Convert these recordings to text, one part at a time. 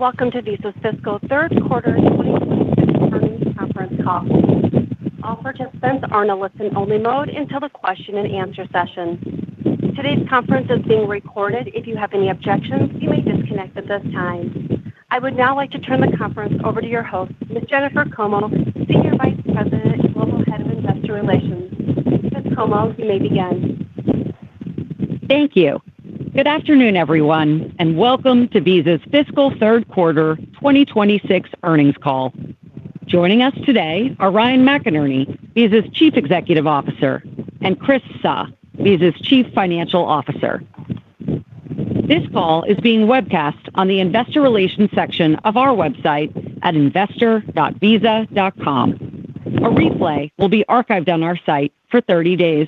Welcome to Visa's fiscal third quarter 2026 earnings conference call. All participants are in a listen-only mode until the question-and-answer session. Today's conference is being recorded. If you have any objections, you may disconnect at this time. I would now like to turn the conference over to your host, Ms. Jennifer Como, Senior Vice President and Global Head of Investor Relations. Ms. Como, you may begin. Thank you. Good afternoon, everyone, and welcome to Visa's fiscal third quarter 2026 earnings call. Joining us today are Ryan McInerney, Visa's Chief Executive Officer, and Chris Suh, Visa's Chief Financial Officer. This call is being webcast on the investor relations section of our website at investor.visa.com. A replay will be archived on our site for 30 days.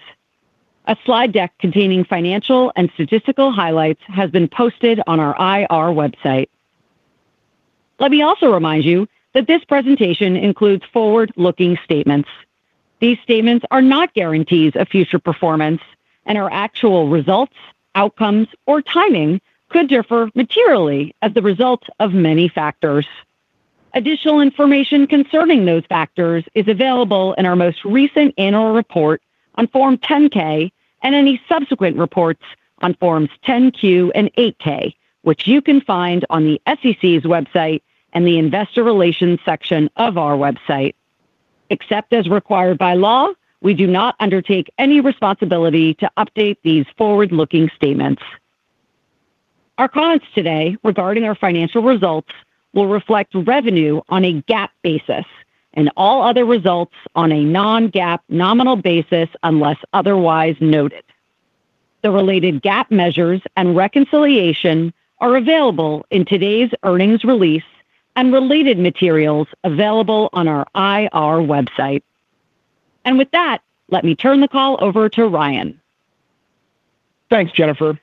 A slide deck containing financial and statistical highlights has been posted on our IR website. Let me also remind you that this presentation includes forward-looking statements. These statements are not guarantees of future performance, and our actual results, outcomes, or timing could differ materially as the result of many factors. Additional information concerning those factors is available in our most recent annual report on Form 10-K and any subsequent reports on Forms 10-Q and 8-K, which you can find on the SEC's website and the investor relations section of our website. Except as required by law, we do not undertake any responsibility to update these forward-looking statements. Our comments today regarding our financial results will reflect revenue on a GAAP basis and all other results on a non-GAAP nominal basis unless otherwise noted. The related GAAP measures and reconciliation are available in today's earnings release and related materials available on our IR website. With that, let me turn the call over to Ryan. Thanks, Jennifer.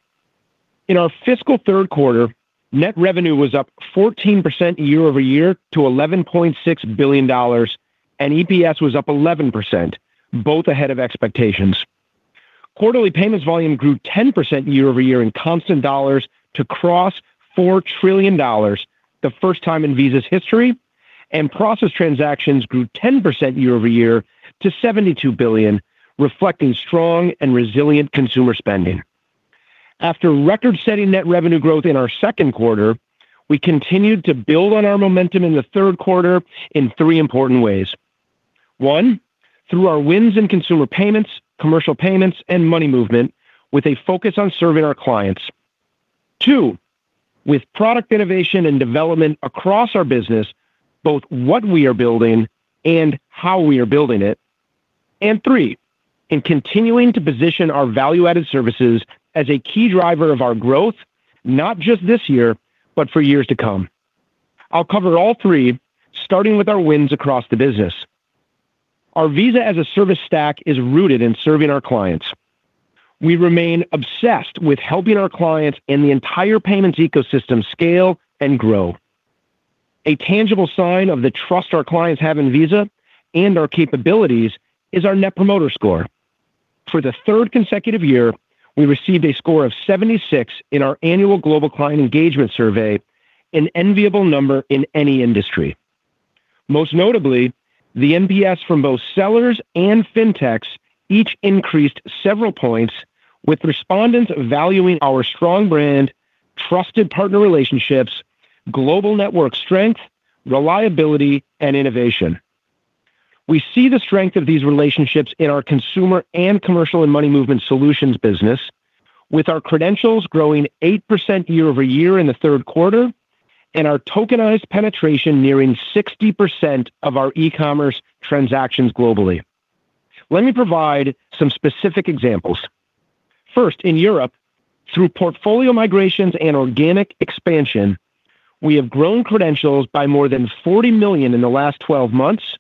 In our fiscal third quarter, net revenue was up 14% year over year to $11.6 billion, and EPS was up 11%, both ahead of expectations. Quarterly payments volume grew 10% year-over-year in constant dollars to cross $4 trillion, the first time in Visa's history. Process transactions grew 10% year-over-year to $72 billion, reflecting strong and resilient consumer spending. After record-setting net revenue growth in our second quarter, we continued to build on our momentum in the third quarter in three important ways. One, through our wins in consumer payments, commercial payments, and money movement with a focus on serving our clients. Two, with product innovation and development across our business, both what we are building and how we are building it. Three, in continuing to position our value-added services as a key driver of our growth, not just this year, but for years to come. I'll cover all three, starting with our wins across the business. Our Visa as a Service stack is rooted in serving our clients. We remain obsessed with helping our clients in the entire payments ecosystem scale and grow. A tangible sign of the trust our clients have in Visa and our capabilities is our Net Promoter Score. For the third consecutive year, we received a score of 76 in our annual global client engagement survey, an enviable number in any industry. Most notably, the NPS from both sellers and fintechs each increased several points, with respondents valuing our strong brand, trusted partner relationships, global network strength, reliability, and innovation. We see the strength of these relationships in our consumer and commercial and money movement solutions business, with our credentials growing 8% year-over-year in the third quarter and our tokenized penetration nearing 60% of our e-commerce transactions globally. Let me provide some specific examples. First, in Europe, through portfolio migrations and organic expansion, we have grown credentials by more than $40 million in the last 12 months,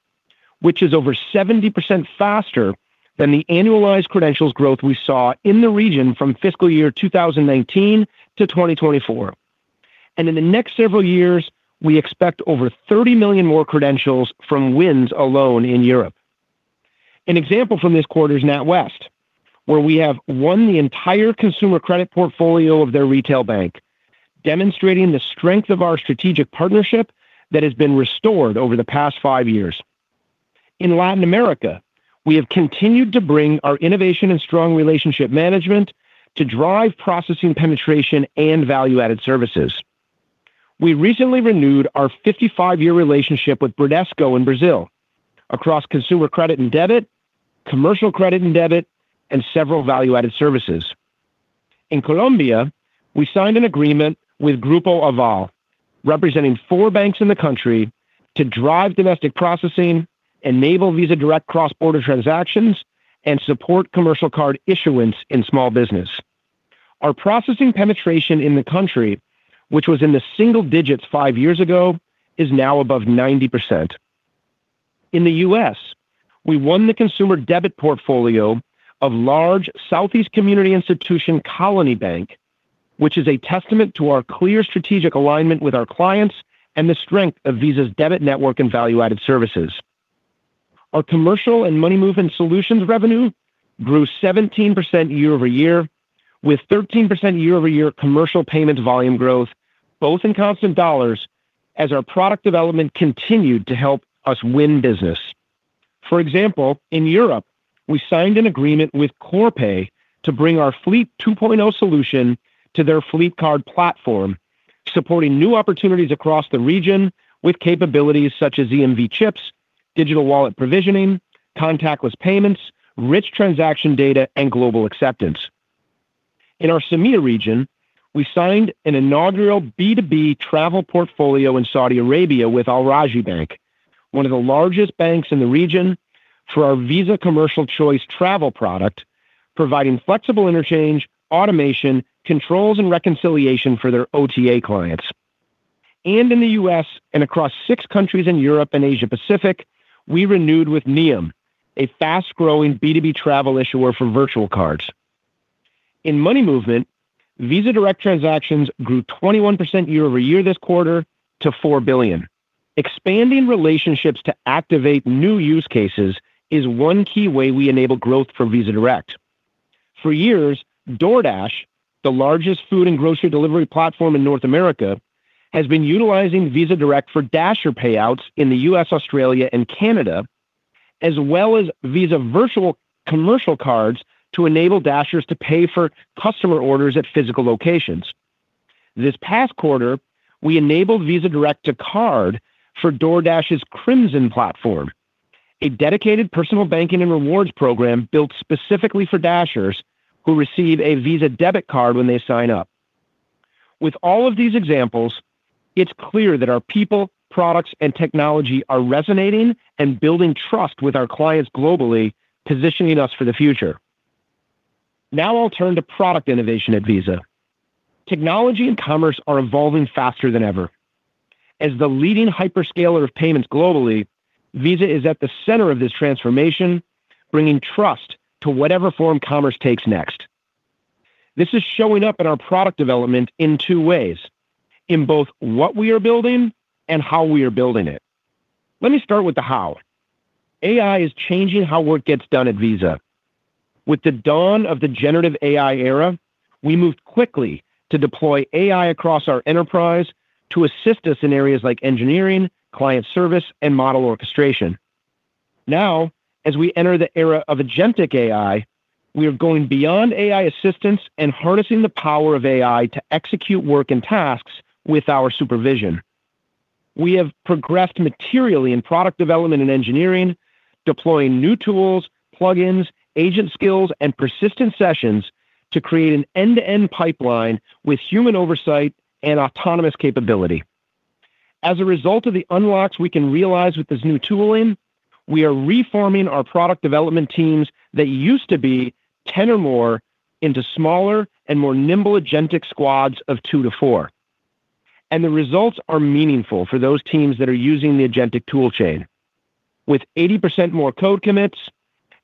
which is over 70% faster than the annualized credentials growth we saw in the region from fiscal year 2019 to 2024. In the next several years, we expect over $30 million more credentials from wins alone in Europe. An example from this quarter is NatWest, where we have won the entire consumer credit portfolio of their retail bank, demonstrating the strength of our strategic partnership that has been restored over the past five years. In Latin America, we have continued to bring our innovation and strong relationship management to drive processing penetration and value-added services. We recently renewed our 55-year relationship with Bradesco in Brazil across consumer credit and debit, commercial credit and debit, and several value-added services. In Colombia, we signed an agreement with Grupo Aval, representing four banks in the country, to drive domestic processing, enable Visa Direct cross-border transactions, and support commercial card issuance in small business. Our processing penetration in the country, which was in the single digits five years ago, is now above 90%. In the U.S., we won the consumer debit portfolio of large Southeast community institution Colony Bank, which is a testament to our clear strategic alignment with our clients and the strength of Visa's debit network and value-added services. Our commercial and money movement solutions revenue grew 17% year-over-year with 13% year-over-year commercial payment volume growth both in constant dollars as our product development continued to help us win business. For example, in Europe, we signed an agreement with Corpay to bring our Visa Fleet 2.0 solution to their fleet card platform, supporting new opportunities across the region with capabilities such as EMV chips, digital wallet provisioning, contactless payments, rich transaction data, and global acceptance. In our CEMEA region, we signed an inaugural B2B travel portfolio in Saudi Arabia with Al Rajhi Bank, one of the largest banks in the region, for our Visa Commercial Choice travel product, providing flexible interchange, automation, controls, and reconciliation for their OTA clients. In the U.S. and across six countries in Europe and Asia Pacific, we renewed with Neom, a fast-growing B2B travel issuer for virtual cards. In money movement, Visa Direct transactions grew 21% year-over-year this quarter to $4 billion. Expanding relationships to activate new use cases is one key way we enable growth for Visa Direct. For years, DoorDash, the largest food and grocery delivery platform in North America, has been utilizing Visa Direct for Dasher payouts in the U.S., Australia, and Canada, as well as Visa virtual commercial cards to enable Dashers to pay for customer orders at physical locations. This past quarter, we enabled Visa Direct to card for DoorDash's Crimson platform, a dedicated personal banking and rewards program built specifically for Dashers who receive a Visa debit card when they sign up. With all of these examples, it's clear that our people, products, and technology are resonating and building trust with our clients globally, positioning us for the future. I'll turn to product innovation at Visa. Technology and commerce are evolving faster than ever. As the leading hyperscaler of payments globally, Visa is at the center of this transformation, bringing trust to whatever form commerce takes next. This is showing up in our product development in two ways, in both what we are building and how we are building it. Let me start with the how. AI is changing how work gets done at Visa. With the dawn of the generative AI era, we moved quickly to deploy AI across our enterprise to assist us in areas like engineering, client service, and model orchestration. As we enter the era of agentic AI, we are going beyond AI assistance and harnessing the power of AI to execute work and tasks with our supervision. We have progressed materially in product development and engineering, deploying new tools, plugins, agent skills, and persistent sessions to create an end-to-end pipeline with human oversight and autonomous capability. As a result of the unlocks we can realize with this new tooling, we are reforming our product development teams that used to be 10 or more into smaller and more nimble agentic squads of two to four. The results are meaningful for those teams that are using the agentic tool chain. With 80% more code commits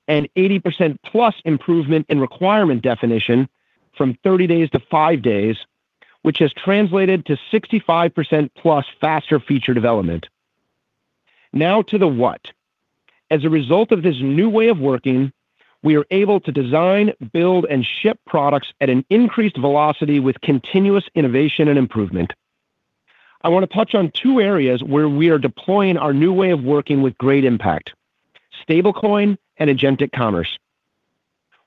and 80%+ improvement in requirement definition from 30 days to five days, which has translated to 65%+ faster feature development. To the what. As a result of this new way of working, we are able to design, build, and ship products at an increased velocity with continuous innovation and improvement. I want to touch on two areas where we are deploying our new way of working with great impact, stablecoin and agentic commerce.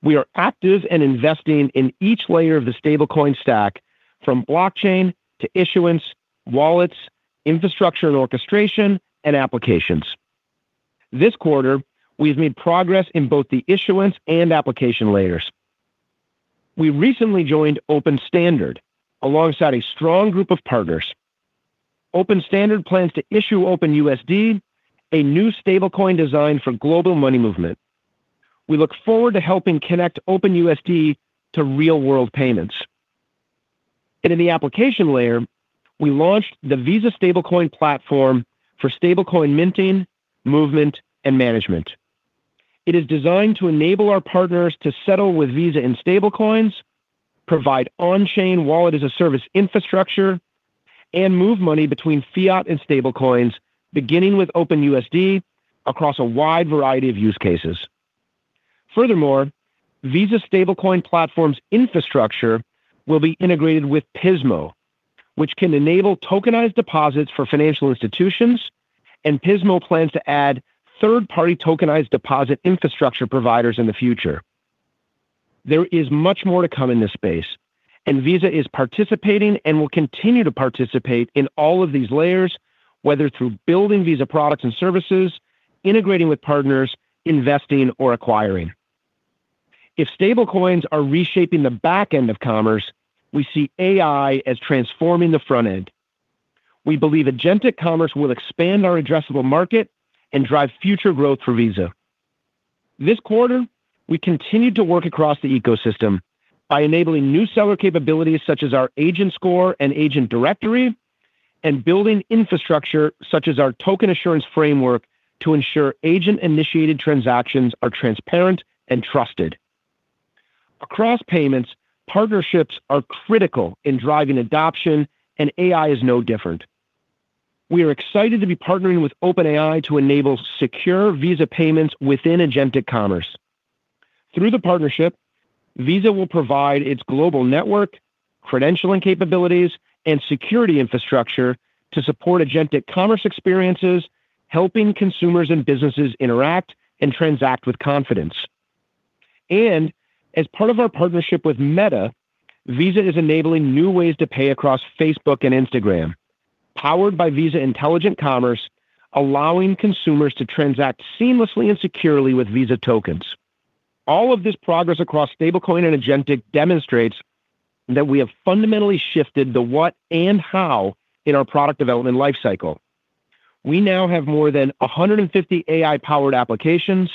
We are active and investing in each layer of the stablecoin stack, from blockchain to issuance, wallets, infrastructure and orchestration, and applications. This quarter, we have made progress in both the issuance and application layers. We recently joined Open Standard alongside a strong group of partners. Open Standard plans to issue OpenUSD, a new stablecoin designed for global money movement. We look forward to helping connect OpenUSD to real-world payments. In the application layer, we launched the Visa Stablecoin Platform for stablecoin minting, movement, and management. It is designed to enable our partners to settle with Visa in stablecoins, provide on-chain wallet-as-a-service infrastructure, and move money between fiat and stablecoins, beginning with OpenUSD, across a wide variety of use cases. Furthermore, Visa Stablecoin Platform's infrastructure will be integrated with Pismo, which can enable tokenized deposits for financial institutions, and Pismo plans to add third-party tokenized deposit infrastructure providers in the future. There is much more to come in this space, and Visa is participating and will continue to participate in all of these layers, whether through building Visa products and services, integrating with partners, investing, or acquiring. If stablecoins are reshaping the back end of commerce, we see AI as transforming the front end. We believe agentic commerce will expand our addressable market and drive future growth for Visa. This quarter, we continued to work across the ecosystem by enabling new seller capabilities such as our Agent Score and Agent Directory and building infrastructure such as our Token Assurance Framework to ensure agent-initiated transactions are transparent and trusted. Across payments, partnerships are critical in driving adoption, and AI is no different. We are excited to be partnering with OpenAI to enable secure Visa payments within agentic commerce. Through the partnership, Visa will provide its global network, credentialing capabilities, and security infrastructure to support agentic commerce experiences, helping consumers and businesses interact and transact with confidence. As part of our partnership with Meta, Visa is enabling new ways to pay across Facebook and Instagram, powered by Visa Intelligent Commerce, allowing consumers to transact seamlessly and securely with Visa tokens. All of this progress across stablecoin and agentic demonstrates that we have fundamentally shifted the what and how in our product development life cycle. We now have more than 150 AI-powered applications,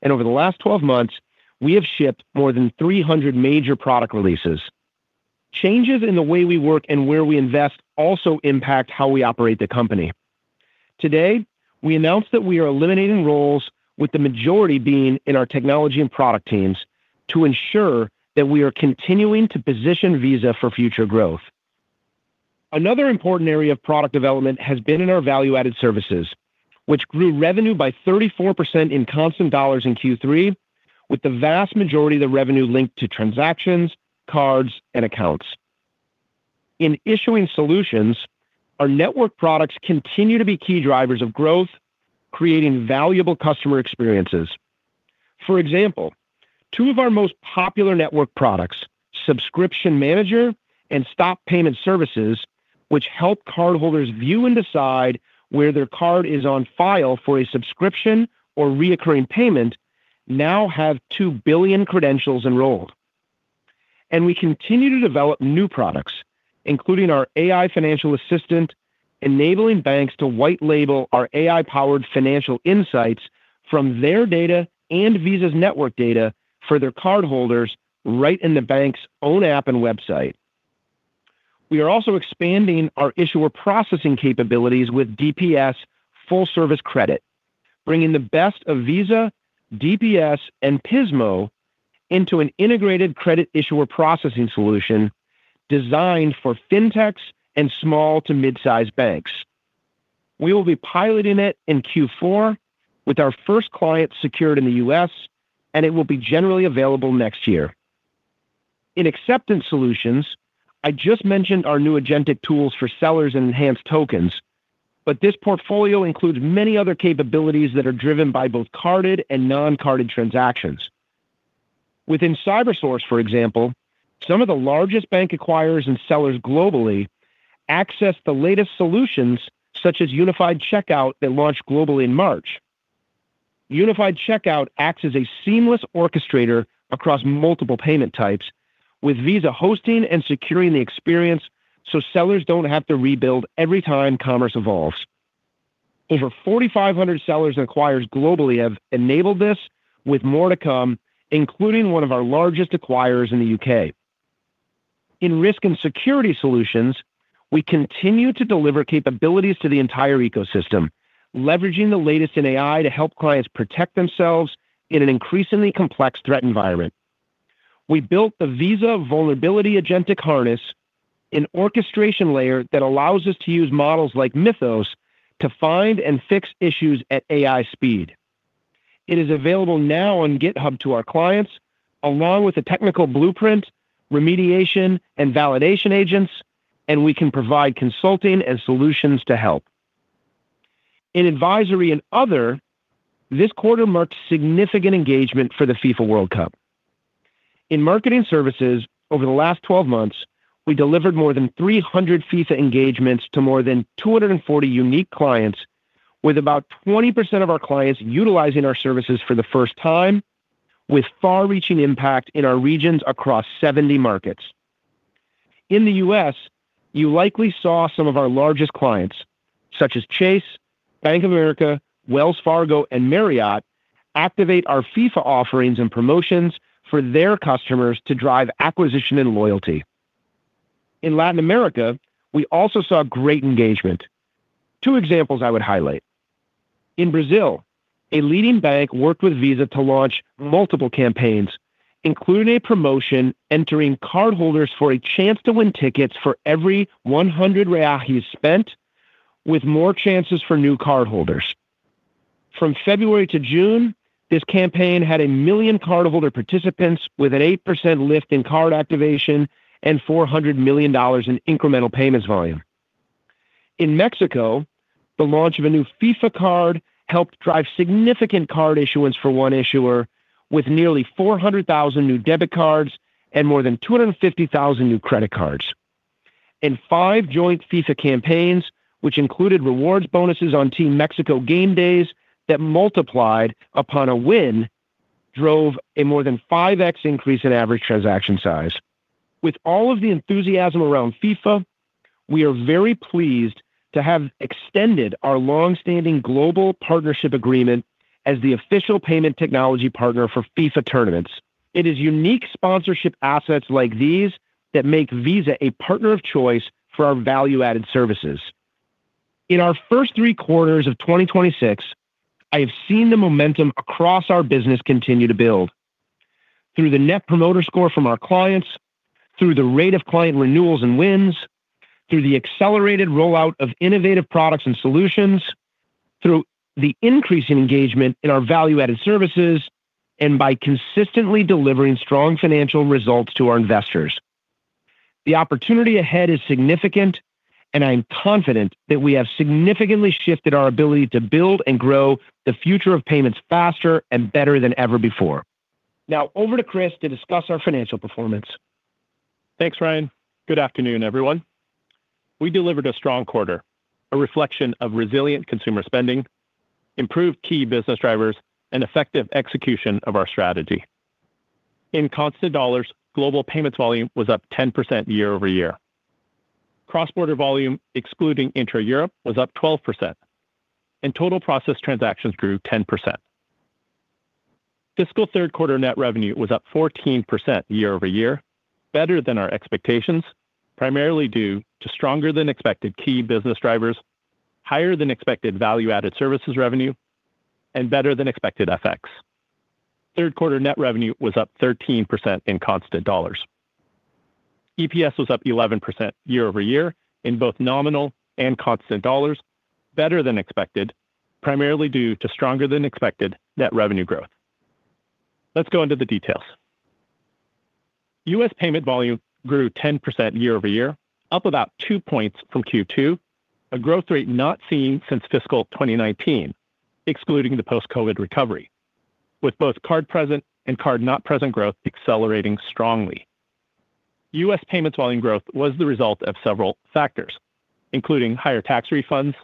and over the last 12 months, we have shipped more than 300 major product releases. Changes in the way we work and where we invest also impact how we operate the company. Today, we announced that we are eliminating roles, with the majority being in our technology and product teams, to ensure that we are continuing to position Visa for future growth. Another important area of product development has been in our value-added services, which grew revenue by 34% in constant dollars in Q3, with the vast majority of the revenue linked to transactions, cards, and accounts. In issuing solutions, our network products continue to be key drivers of growth, creating valuable customer experiences. For example, two of our most popular network products, Subscription Manager and Stop Payment Services, which help cardholders view and decide where their card is on file for a subscription or reoccurring payment, now have 2 billion credentials enrolled. We continue to develop new products, including our AI financial assistant, enabling banks to white-label our AI-powered financial insights from their data and Visa's network data for their cardholders right in the bank's own app and website. We are also expanding our issuer processing capabilities with DPS Full Service Credit, bringing the best of Visa DPS and Pismo into an integrated credit issuer processing solution designed for fintechs and small- to mid-size banks. We will be piloting it in Q4 with our first client secured in the U.S., and it will be generally available next year. In acceptance solutions, I just mentioned our new agentic tools for sellers and enhanced tokens. This portfolio includes many other capabilities that are driven by both carded and non-carded transactions. Within CyberSource, for example, some of the largest bank acquirers and sellers globally access the latest solutions, such as Unified Checkout, that launched globally in March. Unified Checkout acts as a seamless orchestrator across multiple payment types, with Visa hosting and securing the experience so sellers don't have to rebuild every time commerce evolves. Over 4,500 sellers and acquirers globally have enabled this, with more to come, including one of our largest acquirers in the U.K. In risk and security solutions, we continue to deliver capabilities to the entire ecosystem, leveraging the latest in AI to help clients protect themselves in an increasingly complex threat environment. We built the Visa Vulnerability Agentic Harness, an orchestration layer that allows us to use models like Mythos to find and fix issues at AI speed. It is available now on GitHub to our clients, along with a technical blueprint, remediation, and validation agents. We can provide consulting and solutions to help. In advisory and other, this quarter marked significant engagement for the FIFA World Cup. In marketing services, over the last 12 months, we delivered more than 300 FIFA engagements to more than 240 unique clients, with about 20% of our clients utilizing our services for the first time, with far-reaching impact in our regions across 70 markets. In the U.S., you likely saw some of our largest clients, such as Chase, Bank of America, Wells Fargo, and Marriott, activate our FIFA offerings and promotions for their customers to drive acquisition and loyalty. In Latin America, we also saw great engagement. Two examples I would highlight. In Brazil, a leading bank worked with Visa to launch multiple campaigns, including a promotion entering cardholders for a chance to win tickets for every 100 reais spent, with more chances for new cardholders. From February to June, this campaign had 1 million cardholder participants with an 8% lift in card activation and $400 million in incremental payments volume. In Mexico, the launch of a new FIFA card helped drive significant card issuance for one issuer, with nearly 400,000 new debit cards and more than 250,000 new credit cards. In five joint FIFA campaigns, which included rewards bonuses on Team Mexico game days that multiplied upon a win, drove a more than 5x increase in average transaction size. With all of the enthusiasm around FIFA, we are very pleased to have extended our long-standing global partnership agreement as the official payment technology partner for FIFA tournaments. It is unique sponsorship assets like these that make Visa a partner of choice for our value-added services. In our first three quarters of 2026, I have seen the momentum across our business continue to build through the net promoter score from our clients, through the rate of client renewals and wins, through the accelerated rollout of innovative products and solutions, through the increase in engagement in our value-added services, and by consistently delivering strong financial results to our investors. The opportunity ahead is significant. I'm confident that we have significantly shifted our ability to build and grow the future of payments faster and better than ever before. Now over to Chris to discuss our financial performance. Thanks, Ryan. Good afternoon, everyone. We delivered a strong quarter, a reflection of resilient consumer spending, improved key business drivers, and effective execution of our strategy. In constant dollars, global payments volume was up 10% year-over-year. Cross-border volume, excluding intra-Europe, was up 12%, and total processed transactions grew 10%. Fiscal third-quarter net revenue was up 14% year-over-year, better than our expectations, primarily due to stronger-than-expected key business drivers, higher-than-expected value-added services revenue, and better-than-expected FX. Third quarter net revenue was up 13% in constant dollars. EPS was up 11% year-over-year in both nominal and constant dollars, better than expected, primarily due to stronger than expected net revenue growth. Let's go into the details. U.S. payment volume grew 10% year-over-year, up about two points from Q2, a growth rate not seen since fiscal 2019, excluding the post-COVID recovery, with both card-present and card-not-present growth accelerating strongly. U.S. payments volume growth was the result of several factors, including higher tax refunds;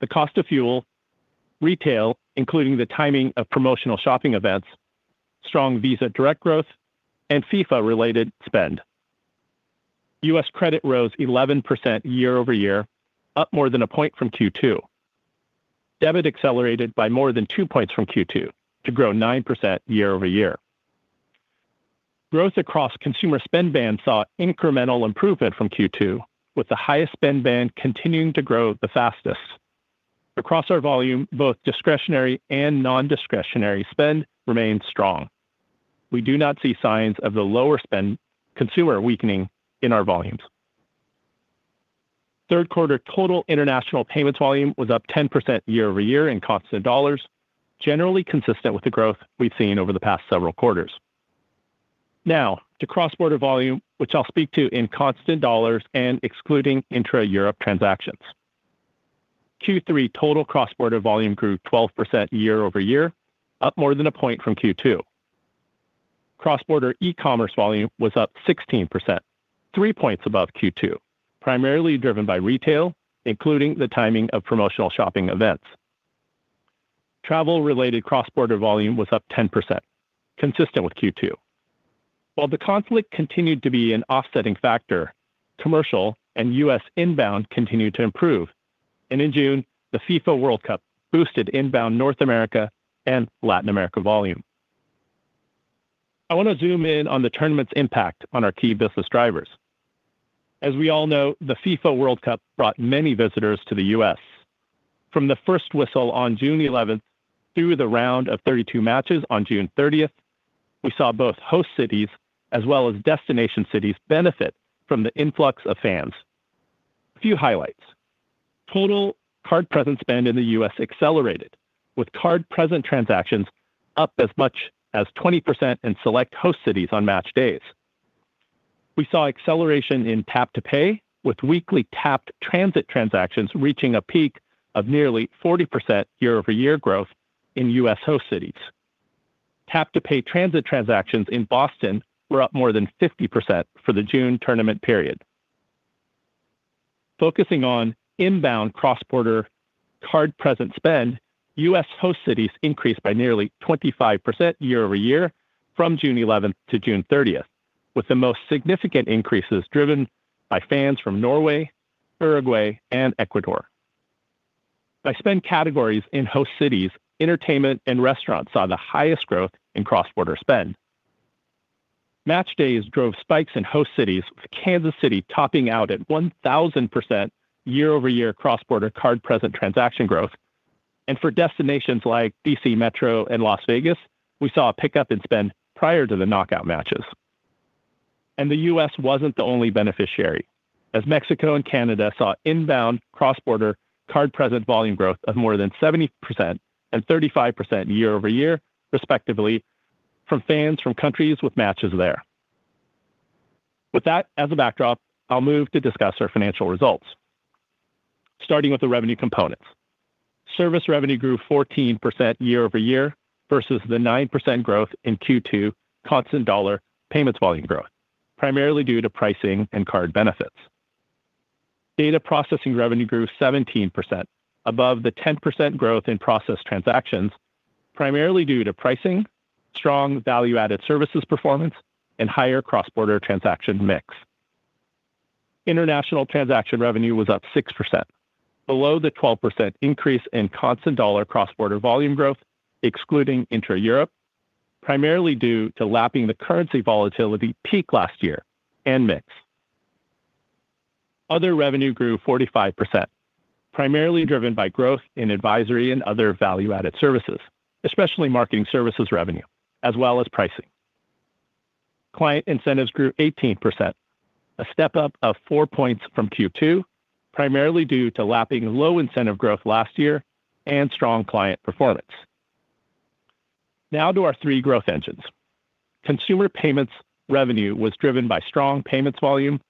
the cost of fuel; retail, including the timing of promotional shopping events; strong Visa Direct growth; and FIFA-related spend. U.S. credit rose 11% year-over-year, up more than a point from Q2. Debit accelerated by more than two points from Q2 to grow 9% year-over-year. Growth across consumer spend bands saw incremental improvement from Q2, with the highest spend band continuing to grow the fastest. Across our volume, both discretionary and non-discretionary spend remained strong. We do not see signs of the lower spend consumer weakening in our volumes. Third quarter total international payments volume was up 10% year-over-year in constant dollars, generally consistent with the growth we've seen over the past several quarters. Now to cross-border volume, which I'll speak to in constant dollars and excluding intra-Europe transactions. Q3 total cross-border volume grew 12% year-over-year, up more than a point from Q2. Cross-border e-commerce volume was up 16%, three points above Q2, primarily driven by retail, including the timing of promotional shopping events. Travel-related cross-border volume was up 10%, consistent with Q2. While the conflict continued to be an offsetting factor, commercial and U.S. inbound continued to improve, and in June, the FIFA World Cup boosted inbound North America and Latin America volume. I want to zoom in on the tournament's impact on our key business drivers. As we all know, the FIFA World Cup brought many visitors to the U.S. From the first whistle on June 11th through the round of 32 matches on June 30th, we saw both host cities as well as destination cities benefit from the influx of fans. A few highlights. Total card present spend in the U.S. accelerated, with card present transactions up as much as 20% in select host cities on match days. We saw acceleration in tap-to-pay, with weekly tapped transit transactions reaching a peak of nearly 40% year-over-year growth in U.S. host cities. Tap-to-pay transit transactions in Boston were up more than 50% for the June tournament period. Focusing on inbound cross-border card present spend, U.S. host cities increased by nearly 25% year-over-year from June 11th to June 30th, with the most significant increases driven by fans from Norway, Uruguay, and Ecuador. By spend categories in host cities, entertainment and restaurants saw the highest growth in cross-border spend. Match days drove spikes in host cities, with Kansas City topping out at 1,000% year-over-year cross-border card-present transaction growth. For destinations like D.C. Metro and Las Vegas, we saw a pickup in spend prior to the knockout matches. The U.S. wasn't the only beneficiary, as Mexico and Canada saw inbound cross-border card-present volume growth of more than 70% and 35% year-over-year, respectively, from fans from countries with matches there. With that as a backdrop, I'll move to discuss our financial results. Starting with the revenue components. Service revenue grew 14% year-over-year versus the 9% growth in Q2 constant dollar payments volume growth, primarily due to pricing and card benefits. Data processing revenue grew 17%, above the 10% growth in processed transactions, primarily due to pricing, strong value-added services performance, and higher cross-border transaction mix. International transaction revenue was up 6%, below the 12% increase in constant dollar cross-border volume growth excluding intra-Europe, primarily due to lapping the currency volatility peak last year and mix. Other revenue grew 45%, primarily driven by growth in advisory and other value-added services, especially marketing services revenue, as well as pricing. Client incentives grew 18%, a step-up of 4 points from Q2, primarily due to lapping low incentive growth last year and strong client performance. Now to our three growth engines. Consumer payments revenue was driven by strong payments volume,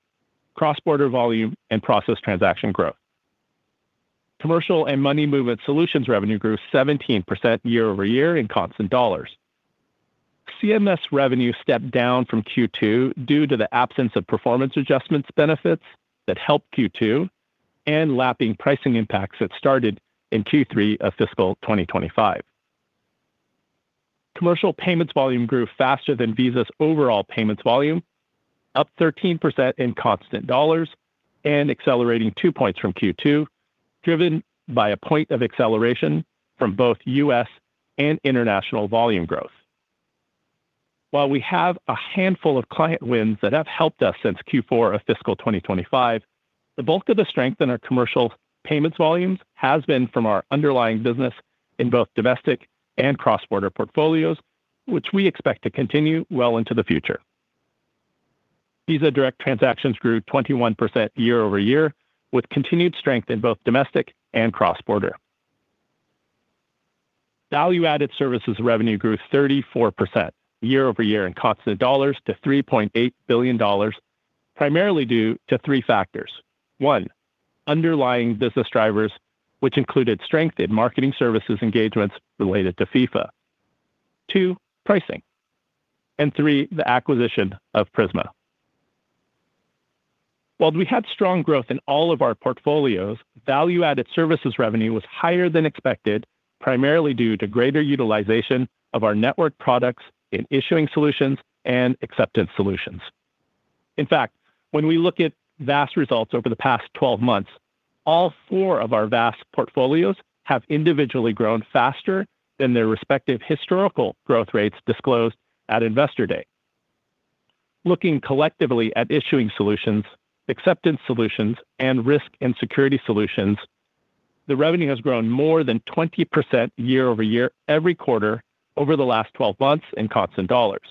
cross-border volume, and processed transaction growth. Commercial and money movement solutions revenue grew 17% year-over-year in constant dollars. CMS revenue stepped down from Q2 due to the absence of performance adjustments benefits that helped Q2 and lapping pricing impacts that started in Q3 of FY 2025. Commercial payments volume grew faster than Visa's overall payments volume, up 13% in constant dollars and accelerating two points from Q2, driven by one point of acceleration from both U.S. and international volume growth. While we have a handful of client wins that have helped us since Q4 of FY 2025, the bulk of the strength in our commercial payments volumes has been from our underlying business in both domestic and cross-border portfolios, which we expect to continue well into the future. Visa Direct transactions grew 21% year-over-year, with continued strength in both domestic and cross-border. Value-added services revenue grew 34% year-over-year in constant dollars to $3.8 billion, primarily due to three factors. One underlying business drivers, which included strength in marketing services engagements related to FIFA. Two, pricing. Three, the acquisition of Prisma. While we had strong growth in all of our portfolios, value-added services revenue was higher than expected, primarily due to greater utilization of our network products in issuing solutions and acceptance solutions. In fact, when we look at VAS results over the past 12 months, all four of our VAS portfolios have individually grown faster than their respective historical growth rates disclosed at Investor Day. Looking collectively at issuing solutions, acceptance solutions, and risk and security solutions, the revenue has grown more than 20% year-over-year every quarter over the last 12 months in constant dollars.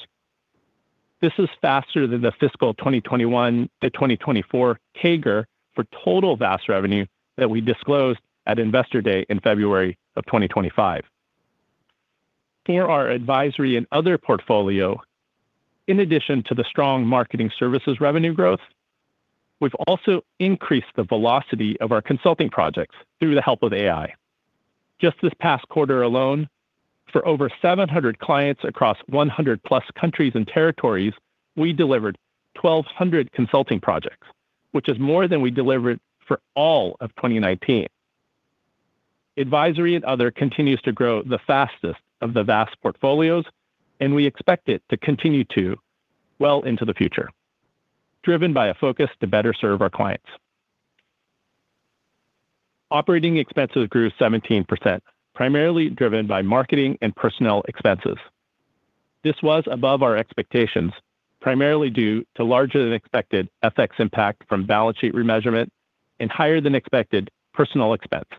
This is faster than the fiscal 2021-2024 CAGR for total VAS revenue that we disclosed at Investor Day in February of 2025. For our advisory and other portfolio, in addition to the strong marketing services revenue growth, we've also increased the velocity of our consulting projects through the help of AI. Just this past quarter alone, for over 700 clients across 100-plus countries and territories, we delivered 1,200 consulting projects, which is more than we delivered for all of 2019. Advisory and others continue to grow the fastest of the VAS portfolios. We expect it to continue to well into the future, driven by a focus to better serve our clients. Operating expenses grew 17%, primarily driven by marketing and personnel expenses. This was above our expectations, primarily due to a larger-than-expected FX impact from balance sheet remeasurement and higher-than-expected personnel expense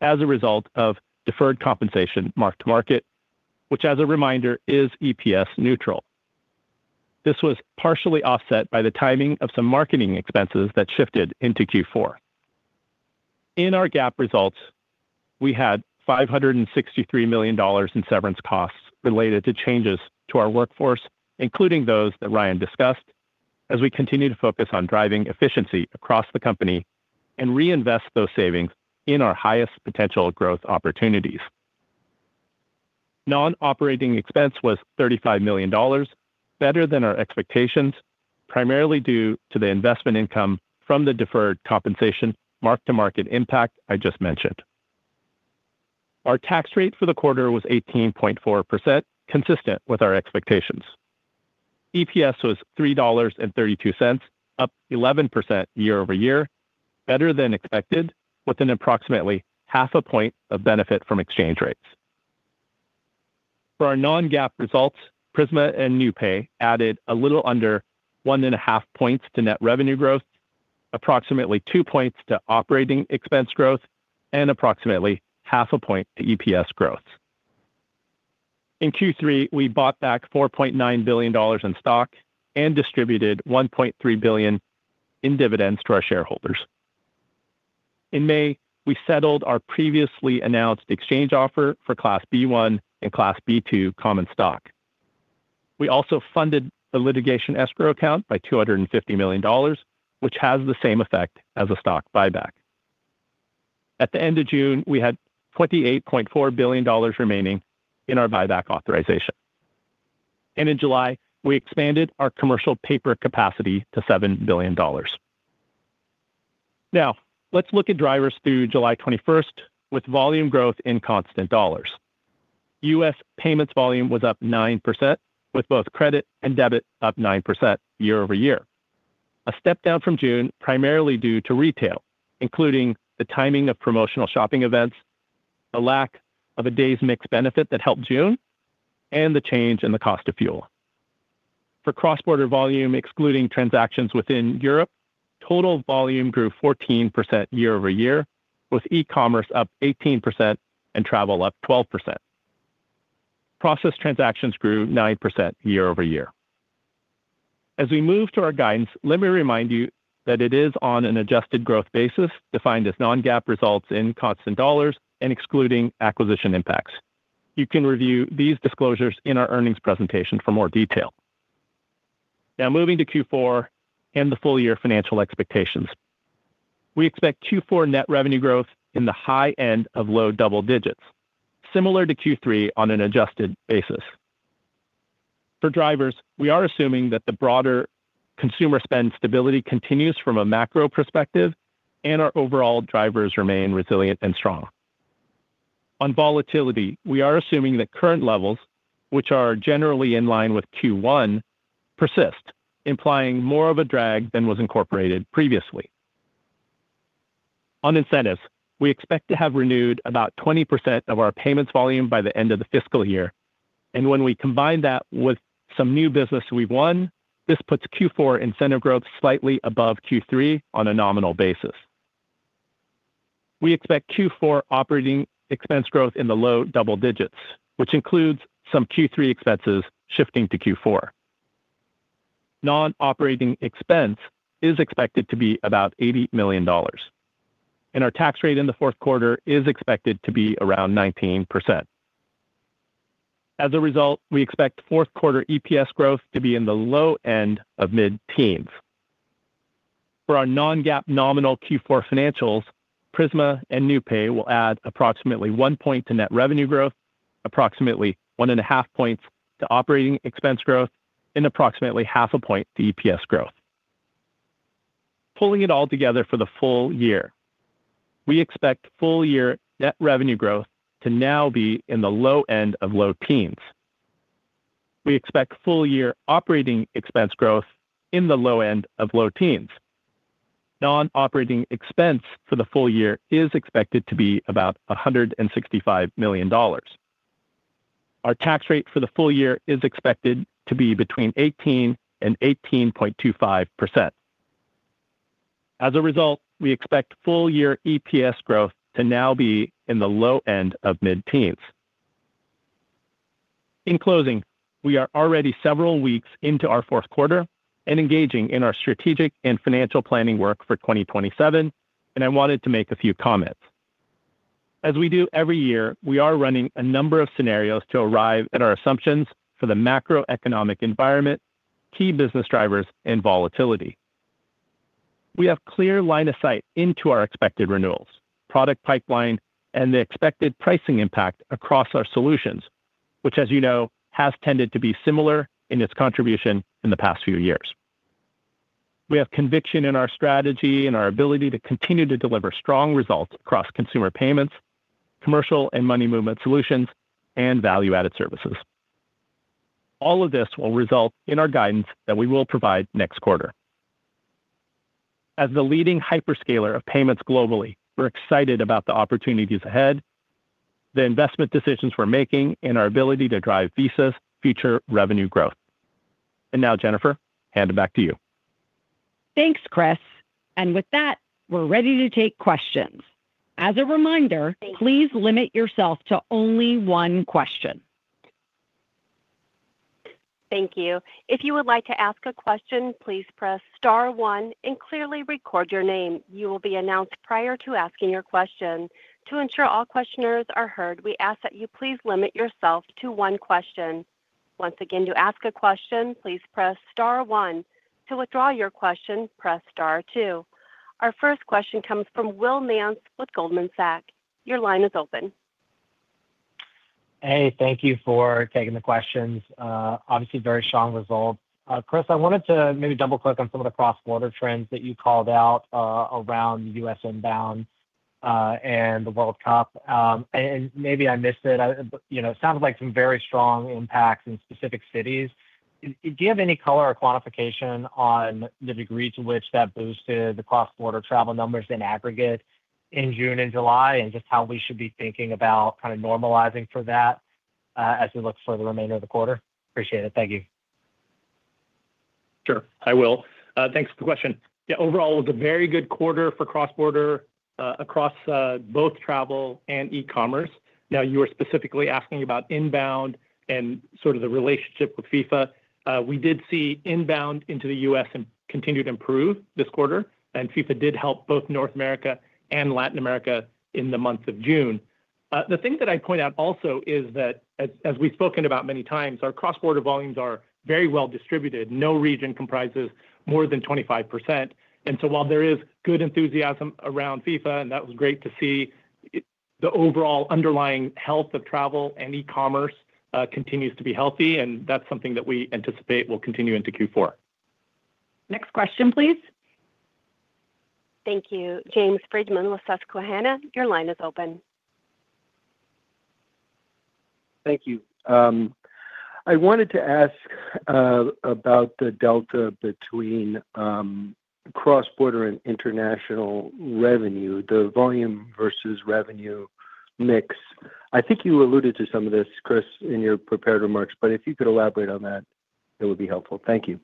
as a result of deferred compensation mark-to-market, which, as a reminder, is EPS neutral. This was partially offset by the timing of some marketing expenses that shifted into Q4. In our GAAP results, we had $563 million in severance costs related to changes to our workforce, including those that Ryan discussed, as we continue to focus on driving efficiency across the company. Reinvest those savings in our highest potential growth opportunities. Non-operating expense was $35 million, better than our expectations, primarily due to the investment income from the deferred compensation mark-to-market impact I just mentioned. Our tax rate for the quarter was 18.4%, consistent with our expectations. EPS was $3.32, up 11% year-over-year, better than expected, with an approximately half a point of benefit from exchange rates. For our non-GAAP results, Prisma and NewPay added a little under one and a half points to net revenue growth, approximately two points to operating expense growth, and approximately half a point to EPS growth. In Q3, we bought back $4.9 billion in stock and distributed $1.3 billion in dividends to our shareholders. In May, we settled our previously announced exchange offer for Class B-1 and Class B-2 common stock. We also funded the litigation escrow account by $250 million, which has the same effect as a stock buyback. At the end of June, we had $28.4 billion remaining in our buyback authorization. In July, we expanded our commercial paper capacity to $7 billion. Now, let's look at drivers through July 21st, with volume growth in constant dollars. U.S. payments volume was up 9%, with both credit and debit up 9% year-over-year. A step down from June, primarily due to retail, including the timing of promotional shopping events, a lack of a day's mix benefit that helped June, and the change in the cost of fuel. For cross-border volume excluding transactions within Europe, total volume grew 14% year-over-year, with e-commerce up 18% and travel up 12%. Processed transactions grew 9% year-over-year. As we move to our guidance, let me remind you that it is on an adjusted growth basis, defined as non-GAAP results in constant dollars and excluding acquisition impacts. You can review these disclosures in our earnings presentation for more detail. Now moving to Q4 and the full-year financial expectations. We expect Q4 net revenue growth in the high end of low double digits, similar to Q3 on an adjusted basis. For drivers, we are assuming that the broader consumer spend stability continues from a macro perspective. Our overall drivers remain resilient and strong. On volatility, we are assuming that current levels, which are generally in line with Q1, persist, implying more of a drag than was incorporated previously. On incentives, we expect to have renewed about 20% of our payments volume by the end of the fiscal year. When we combine that with some new business we've won, this puts Q4 incentive growth slightly above Q3 on a nominal basis. We expect Q4 operating expense growth in the low double digits, which includes some Q3 expenses shifting to Q4. Non-operating expense is expected to be about $80 million. Our tax rate in the fourth quarter is expected to be around 19%. As a result, we expect fourth quarter EPS growth to be in the low end of mid-teens. For our non-GAAP nominal Q4 financials, Prisma and NewPay will add approximately one point to net revenue growth, approximately one and a half points to operating expense growth, and approximately half a point to EPS growth. Pulling it all together for the full year, we expect full-year net revenue growth to now be in the low end of low teens. We expect full-year operating expense growth in the low end of low teens. Non-operating expense for the full year is expected to be about $165 million. Our tax rate for the full year is expected to be between 18% and 18.25%. As a result, we expect full-year EPS growth to now be in the low end of mid-teens. In closing, we are already several weeks into our fourth quarter and engaging in our strategic and financial planning work for 2027. I wanted to make a few comments. As we do every year, we are running a number of scenarios to arrive at our assumptions for the macroeconomic environment, key business drivers, and volatility. We have clear line of sight into our expected renewals, product pipeline, and the expected pricing impact across our solutions, which, as you know, has tended to be similar in its contribution in the past few years. We have conviction in our strategy and our ability to continue to deliver strong results across consumer payments, commercial and money movement solutions, and value-added services. All of this will result in our guidance that we will provide next quarter. As the leading hyperscaler of payments globally, we're excited about the opportunities ahead, the investment decisions we're making, and our ability to drive Visa's future revenue growth. Now, Jennifer, hand it back to you. Thanks, Chris. With that, we're ready to take questions. As a reminder. Thank you Please limit yourself to only one question. Thank you. If you would like to ask a question, please press star one and clearly record your name. You will be announced prior to asking your question. To ensure all questioners are heard, we ask that you please limit yourself to one question. Once again, to ask a question, please press star one. To withdraw your question, press star two. Our first question comes from Will Nance with Goldman Sachs. Your line is open. Hey, thank you for taking the questions. Obviously very strong results. Chris, I wanted to maybe double-click on some of the cross-border trends that you called out around U.S. inbound and the World Cup. Maybe I missed it, but it sounded like some very strong impacts in specific cities. Do you have any color or quantification on the degree to which that boosted the cross-border travel numbers in aggregate in June and July, and just how we should be thinking about normalizing for that as we look for the remainder of the quarter? Appreciate it. Thank you. Sure. Hi, Will. Thanks for the question. Overall, it was a very good quarter for cross-border, across both travel and e-commerce. Now, you are specifically asking about inbound and sort of the relationship with FIFA. We did see inbound into the U.S. and continue to improve this quarter, and FIFA did help both North America and Latin America in the month of June. The thing that I'd point out also is that, as we've spoken about many times, our cross-border volumes are very well distributed. No region comprises more than 25%. While there is good enthusiasm around FIFA, and that was great to see, the overall underlying health of travel and e-commerce continues to be healthy, and that's something that we anticipate will continue into Q4. Next question, please. Thank you. James Friedman with Susquehanna, your line is open. Thank you. I wanted to ask about the delta between cross-border and international revenue, the volume versus revenue mix. I think you alluded to some of this, Chris, in your prepared remarks, but if you could elaborate on that, it would be helpful. Thank you.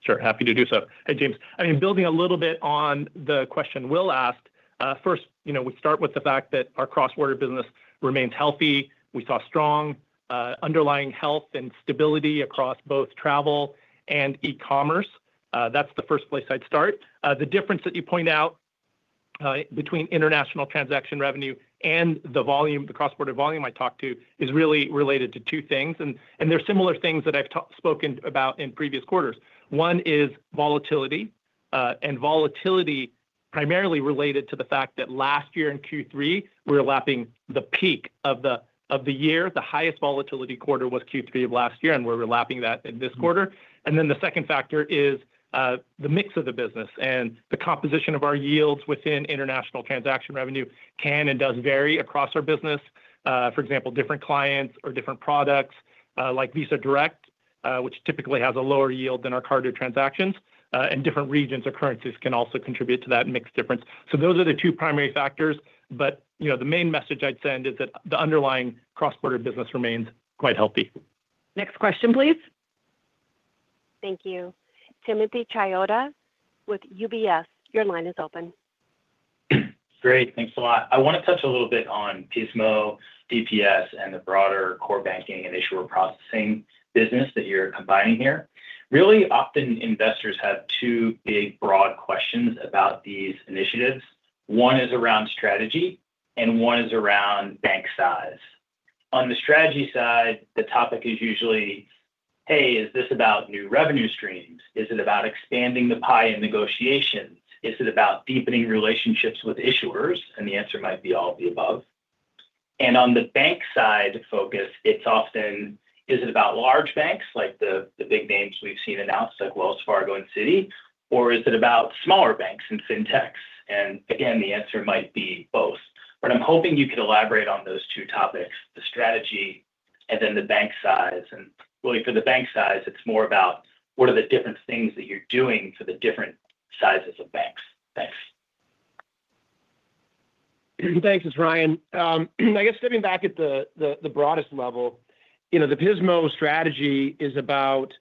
Sure, happy to do so. Hey, James. Building a little bit on the question Will asked, first, we start with the fact that our cross-border business remains healthy. We saw strong underlying health and stability across both travel and e-commerce. That's the first place I'd start. The difference that you point out between international transaction revenue and the cross-border volume I talked to is really related to two things, and they're similar things that I've spoken about in previous quarters. One is volatility, and volatility primarily related to the fact that last year in Q3, we were lapping the peak of the year. The highest volatility quarter was Q3 of last year, and we're lapping that in this quarter. The second factor is the mix of the business and the composition of our yields within international transaction revenue can and does vary across our business. For example, different clients or different products, like Visa Direct, which typically has a lower yield than our card to transactions, and different regions or currencies can also contribute to that mix difference. Those are the two primary factors. The main message I'd send is that the underlying cross-border business remains quite healthy. Next question, please. Thank you. Timothy Chiodo with UBS, your line is open. Great. Thanks a lot. I want to touch a little bit on Pismo, DPS, and the broader core banking and issuer processing business that you're combining here. Really often investors have two big broad questions about these initiatives. One is around strategy and one is around bank size. On the strategy side, the topic is usually, "Hey, is this about new revenue streams? Is it about expanding the pie in negotiations? Is it about deepening relationships with issuers?" The answer might be all of the above. On the bank-side focus, it's often, is it about large banks, like the big names we've seen announced, like Wells Fargo and Citi, or is it about smaller banks and FinTechs? Again, the answer might be both. I'm hoping you could elaborate on those two topics, the strategy and then the bank size. Really, for the bank size, it's more about what are the different things that you're doing for the different sizes of banks? Thanks. Thanks. It's Ryan. I guess stepping back at the broadest level, the Pismo strategy is about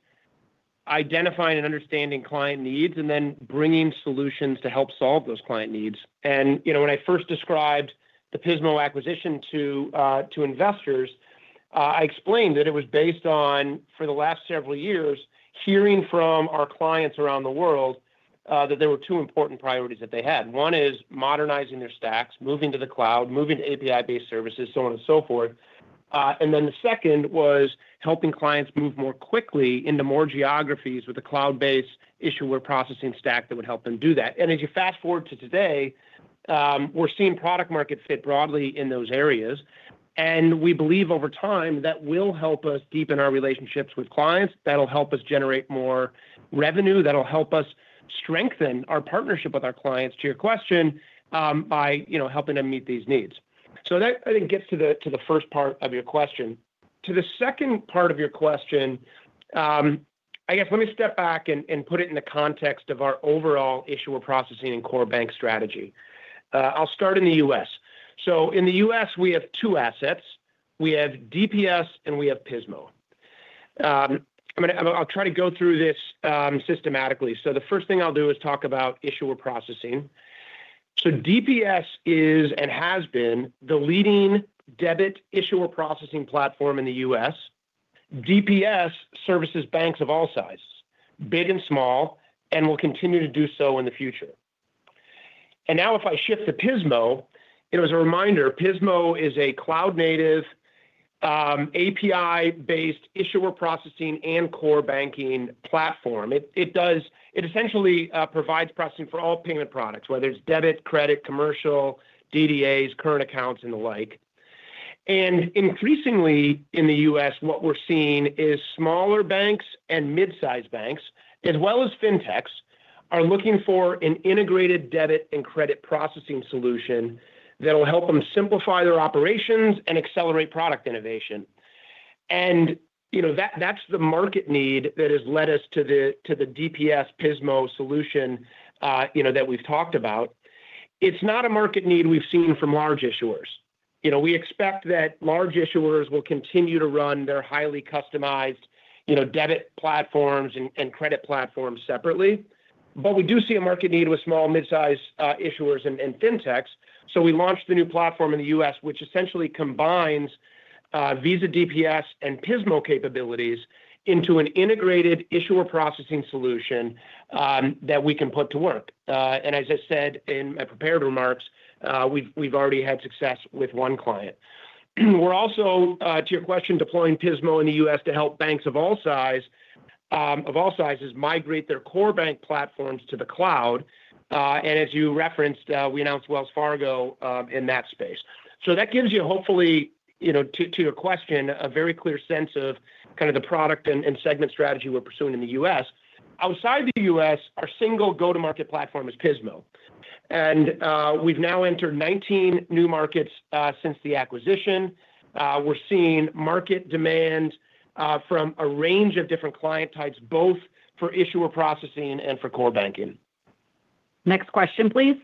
identifying and understanding client needs and then bringing solutions to help solve those client needs. When I first described the Pismo acquisition to investors, I explained that it was based on, for the last several years, hearing from our clients around the world that there were two important priorities that they had. One is modernizing their stacks, moving to the cloud, moving to API-based services, so on and so forth. The second was helping clients move more quickly into more geographies with a cloud-based issuer processing stack that would help them do that. As you fast-forward to today, we're seeing product-market fit broadly in those areas, and we believe over time that will help us deepen our relationships with clients, that'll help us generate more revenue, that'll help us strengthen our partnership with our clients, to your question, by helping them meet these needs. That, I think, gets to the first part of your question. To the second part of your question, I guess let me step back and put it in the context of our overall issuer processing and core bank strategy. I'll start in the U.S. In the U.S., we have two assets. We have DPS and we have Pismo. I'll try to go through this systematically. The first thing I'll do is talk about issuer processing. DPS is and has been the leading debit issuer processing platform in the U.S. DPS services banks of all sizes, big and small, and will continue to do so in the future. Now if I shift to Pismo, as a reminder, Pismo is a cloud-native, API-based issuer processing and core banking platform. It essentially provides processing for all payment products, whether it's debit, credit, commercial, DDAs, current accounts, and the like. Increasingly in the U.S., what we're seeing is smaller banks and mid-sized banks, as well as fintechs, are looking for an integrated debit and credit processing solution that'll help them simplify their operations and accelerate product innovation. That's the market need that has led us to the DPS Pismo solution that we've talked about. It's not a market need we've seen from large issuers. We expect that large issuers will continue to run their highly customized debit platforms and credit platforms separately. We do see a market need with small and mid-sized issuers and fintechs. We launched the new platform in the U.S., which essentially combines Visa DPS and Pismo capabilities into an integrated issuer processing solution that we can put to work. As I said in my prepared remarks, we've already had success with one client. We're also, to your question, deploying Pismo in the U.S. to help banks of all sizes migrate their core bank platforms to the cloud. As you referenced, we announced Wells Fargo in that space. That gives you, hopefully, to your question, a very clear sense of kind of the product and segment strategy we're pursuing in the U.S. Outside the U.S., our single go-to-market platform is Pismo. We've now entered 19 new markets since the acquisition. We're seeing market demand from a range of different client types, both for issuer processing and for core banking. Next question, please.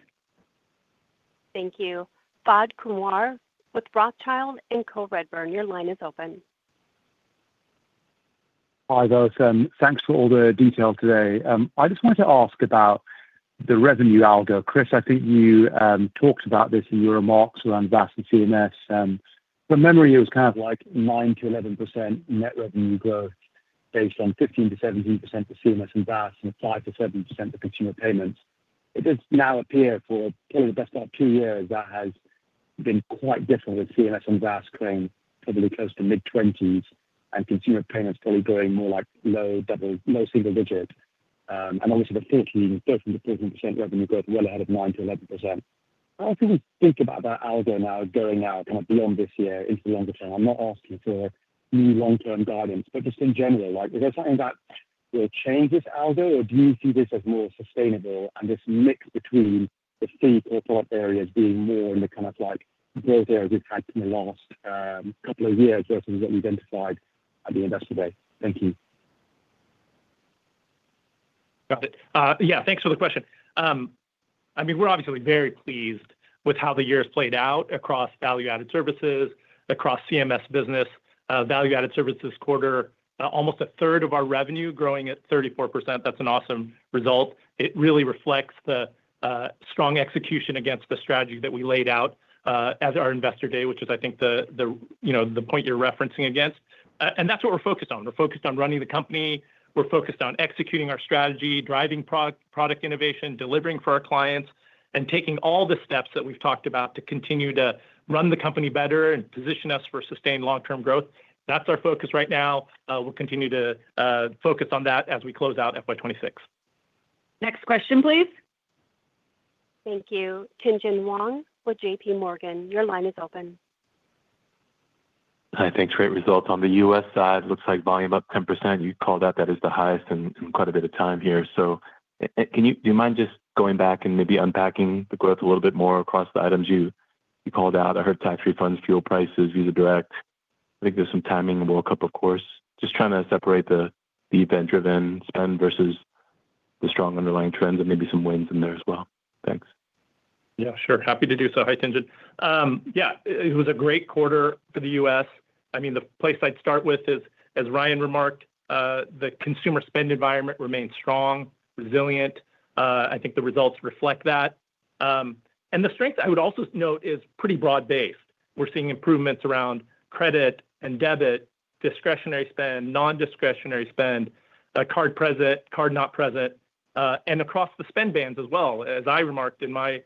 Thank you. Fahed Kunwar with Rothschild & Co./Redburn, your line is open. Hi, guys. Thanks for all the details today. I just wanted to ask about the revenue algo. Chris, I think you talked about this in your remarks around VAS and CMS. From memory, it was kind of like 9%-11% net revenue growth based on 15%-17% for CMS and VAS and 5%-7% for consumer payments. It does now appear for probably the best part of two years that has been quite different, with CMS and VAS growing probably close to mid-20s and consumer payments probably growing more like low single digits. Obviously the 13%-15% revenue growth well ahead of 9%-11%. How can we think about that algo now going out kind of beyond this year into the longer term? I'm not asking for new long-term guidance; just in general, is there something that will change this algo, or do you see this as more sustainable and this mix between the fee or product areas being more in the kind of growth areas we've had in the last couple of years versus what we identified at the investor day? Thank you. Got it. Thanks for the question. We're obviously very pleased with how the year's played out across value-added services, across CMS business. Value-added services quarter, almost a third of our revenue growing at 34%. That's an awesome result. It really reflects the strong execution against the strategy that we laid out at our investor day, which is, I think, the point you're referencing against. That's what we're focused on. We're focused on running the company; we're focused on executing our strategy, driving product innovation, delivering for our clients, and taking all the steps that we've talked about to continue to run the company better and position us for sustained long-term growth. That's our focus right now. We'll continue to focus on that as we close out FY 2026. Next question, please. Thank you. Tien-tsin Huang with JP Morgan, your line is open. Hi, thanks. Great results on the U.S. side. Looks like volume up 10%. You called out that is the highest in quite a bit of time here. Do you mind just going back and maybe unpacking the growth a little bit more across the items you called out? I heard tax refunds, fuel prices, Visa Direct. I think there's some timing of the World Cup, of course. Just trying to separate the event-driven spend versus the strong underlying trends and maybe some wins in there as well. Thanks. Sure. Happy to do so. Hi, Tien-tsin. It was a great quarter for the U.S. The place I'd start with is, as Ryan remarked, the consumer spend environment remains strong, resilient. I think the results reflect that. The strength I would also note is pretty broad-based. We're seeing improvements around credit and debit, discretionary spend, non-discretionary spend, card present, card not present, and across the spend bands as well. As I remarked in my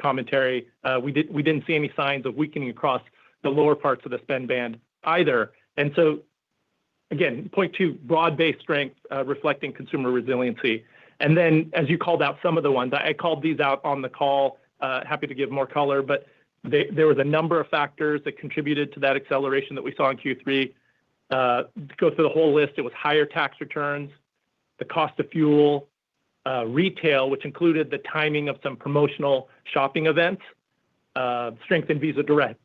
commentary, we didn't see any signs of weakening across the lower parts of the spend band either. Again, point to broad-based strength reflecting consumer resiliency. Then as you called out some of the ones, I called these out on the call, happy to give more color, but there was a number of factors that contributed to that acceleration that we saw in Q3. Go through the whole list; it was higher tax returns, the cost of fuel, retail, which included the timing of some promotional shopping events, strength in Visa Direct,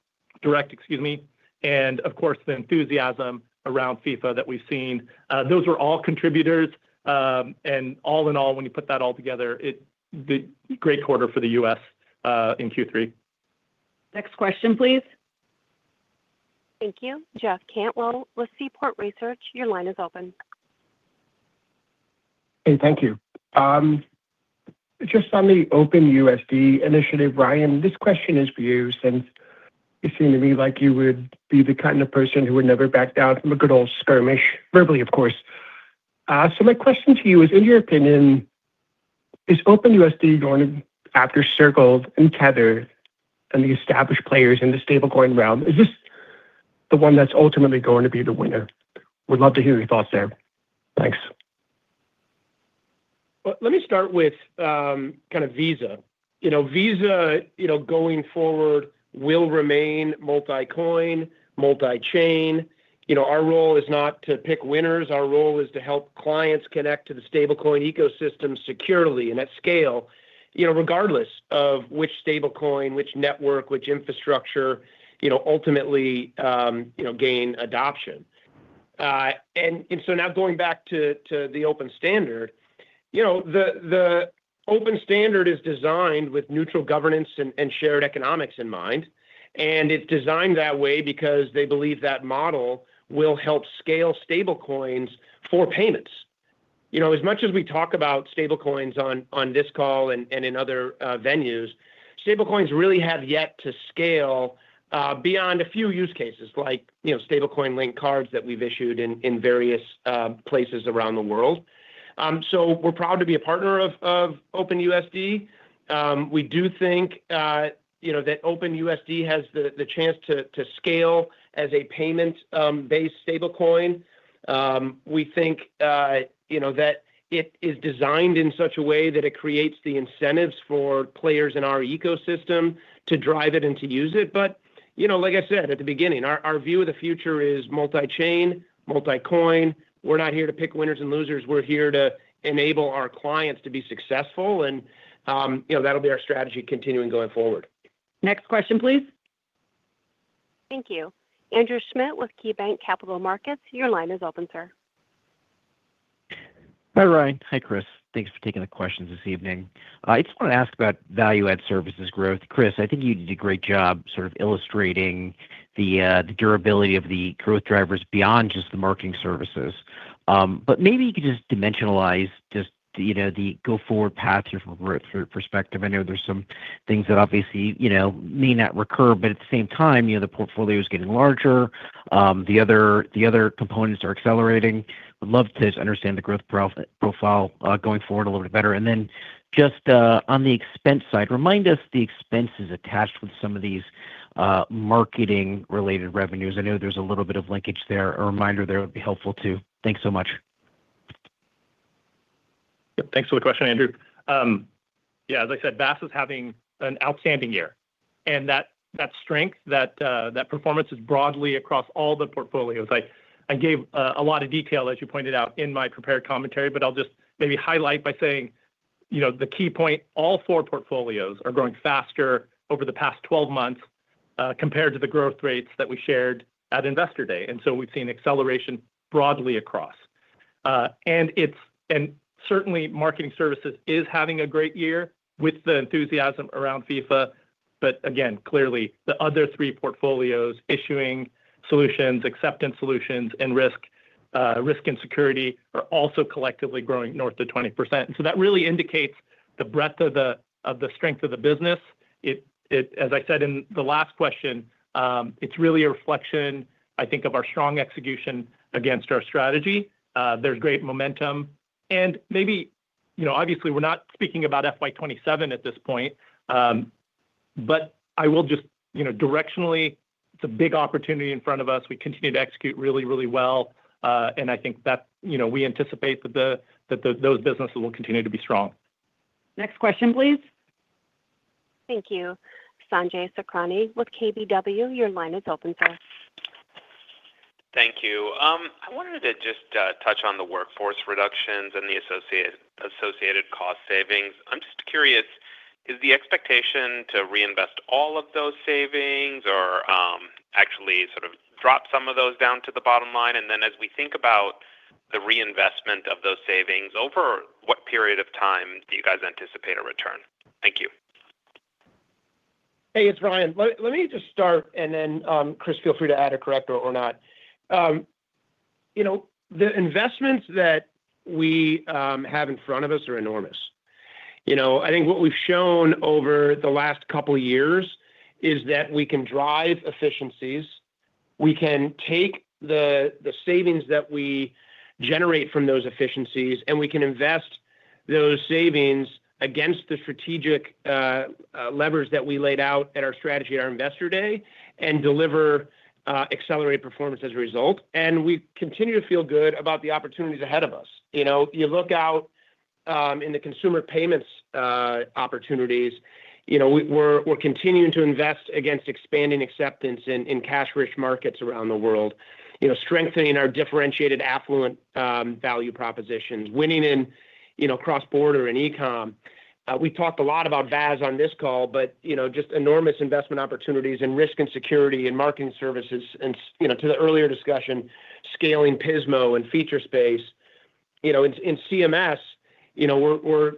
and, of course, the enthusiasm around FIFA that we've seen. Those were all contributors; all in all, when you put that all together, great quarter for the U.S. in Q3. Next question, please. Thank you. Jeff Cantwell with Seaport Research, your line is open. Hey, thank you. Just on the OpenUSD initiative, Ryan, this question is for you since you seem to me like you would be the kind of person who would never back down from a good old skirmish, verbally, of course. My question to you is, in your opinion, is OpenUSD going after Circle and Tether and the established players in the stablecoin realm? Is this the one that's ultimately going to be the winner? Would love to hear your thoughts there. Thanks. Well, let me start with kind of Visa. Visa, going forward, will remain multi-coin, multi-chain. Our role is not to pick winners. Our role is to help clients connect to the stablecoin ecosystem securely and at scale, regardless of which stablecoin, which network, which infrastructure ultimately gains adoption. Now going back to the Open Standard, the Open Standard is designed with neutral governance and shared economics in mind, and it's designed that way because they believe that model will help scale stablecoins for payments. As much as we talk about stablecoins on this call and in other venues, stablecoins really have yet to scale beyond a few use cases like stablecoin-linked cards that we've issued in various places around the world. We're proud to be a partner of OpenUSD. We do think that OpenUSD has the chance to scale as a payment-based stablecoin. We think that it is designed in such a way that it creates the incentives for players in our ecosystem to drive it and to use it. Like I said at the beginning, our view of the future is multi-chain, multi-coin. We're not here to pick winners and losers. We're here to enable our clients to be successful, and that'll be our strategy continuing going forward. Next question, please. Thank you. Andrew Schmidt with KeyBanc Capital Markets, your line is open, sir. Hi, Ryan. Hi, Chris. Thanks for taking the questions this evening. I just want to ask about value-add services growth. Chris, I think you did a great job sort of illustrating the durability of the growth drivers beyond just the marketing services. Maybe you could just dimensionalize just the go-forward path from a growth perspective. I know there's some things that obviously may not recur, but at the same time, the portfolio is getting larger. The other components are accelerating. Would love to understand the growth profile going forward a little bit better. Just on the expense side, remind us the expenses attached with some of these marketing-related revenues. I know there's a little bit of linkage there. A reminder there would be helpful, too. Thanks so much. Yep, thanks for the question, Andrew. As I said, VAS is having an outstanding year, and that strength, that performance, is broadly across all the portfolios. I gave a lot of detail, as you pointed out in my prepared commentary, but I'll just maybe highlight by saying the key point, all four portfolios are growing faster over the past 12 months compared to the growth rates that we shared at Investor Day. We've seen acceleration broadly across. Certainly, marketing services is having a great year with the enthusiasm around FIFA. Clearly, the other three portfolios, issuing solutions, acceptance solutions, and risk and security, are also collectively growing north of 20%. That really indicates the breadth of the strength of the business. As I said in the last question, it's really a reflection, I think, of our strong execution against our strategy. There's great momentum. Obviously we're not speaking about FY 2027 at this point, but I will just directionally, it's a big opportunity in front of us. We continue to execute really well. I think that we anticipate that those businesses will continue to be strong. Next question, please. Thank you. Sanjay Sakhrani with KBW, your line is open, sir. Thank you. I wanted to just touch on the workforce reductions and the associated cost savings. I'm just curious, is the expectation to reinvest all of those savings or actually sort of drop some of those down to the bottom line? Then as we think about the reinvestment of those savings, over what period of time do you guys anticipate a return? Thank you. Hey, it's Ryan. Let me just start, then, Chris; feel free to add or correct or not. The investments that we have in front of us are enormous. I think what we've shown over the last couple of years is that we can drive efficiencies, we can take the savings that we generate from those efficiencies, and we can invest those savings against the strategic levers that we laid out at our strategy at our Investor Day and deliver accelerated performance as a result. We continue to feel good about the opportunities ahead of us. You look out in the consumer payments opportunities; we're continuing to invest against expanding acceptance in cash-rich markets around the world, strengthening our differentiated affluent value propositions, winning in cross-border and e-com. We talked a lot about VAS on this call, just enormous investment opportunities in risk and security and marketing services. To the earlier discussion, scaling Pismo and Featurespace. In CMS, we're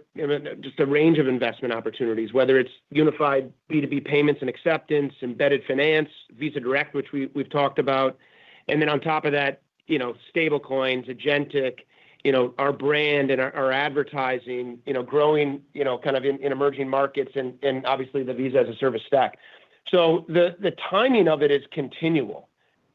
just a range of investment opportunities, whether it's unified B2B payments and acceptance, embedded finance, Visa Direct, which we've talked about, then on top of that, stablecoins, agentic, our brand, and our advertising growing kind of in emerging markets and obviously the Visa as a Service stack. The timing of it is continual.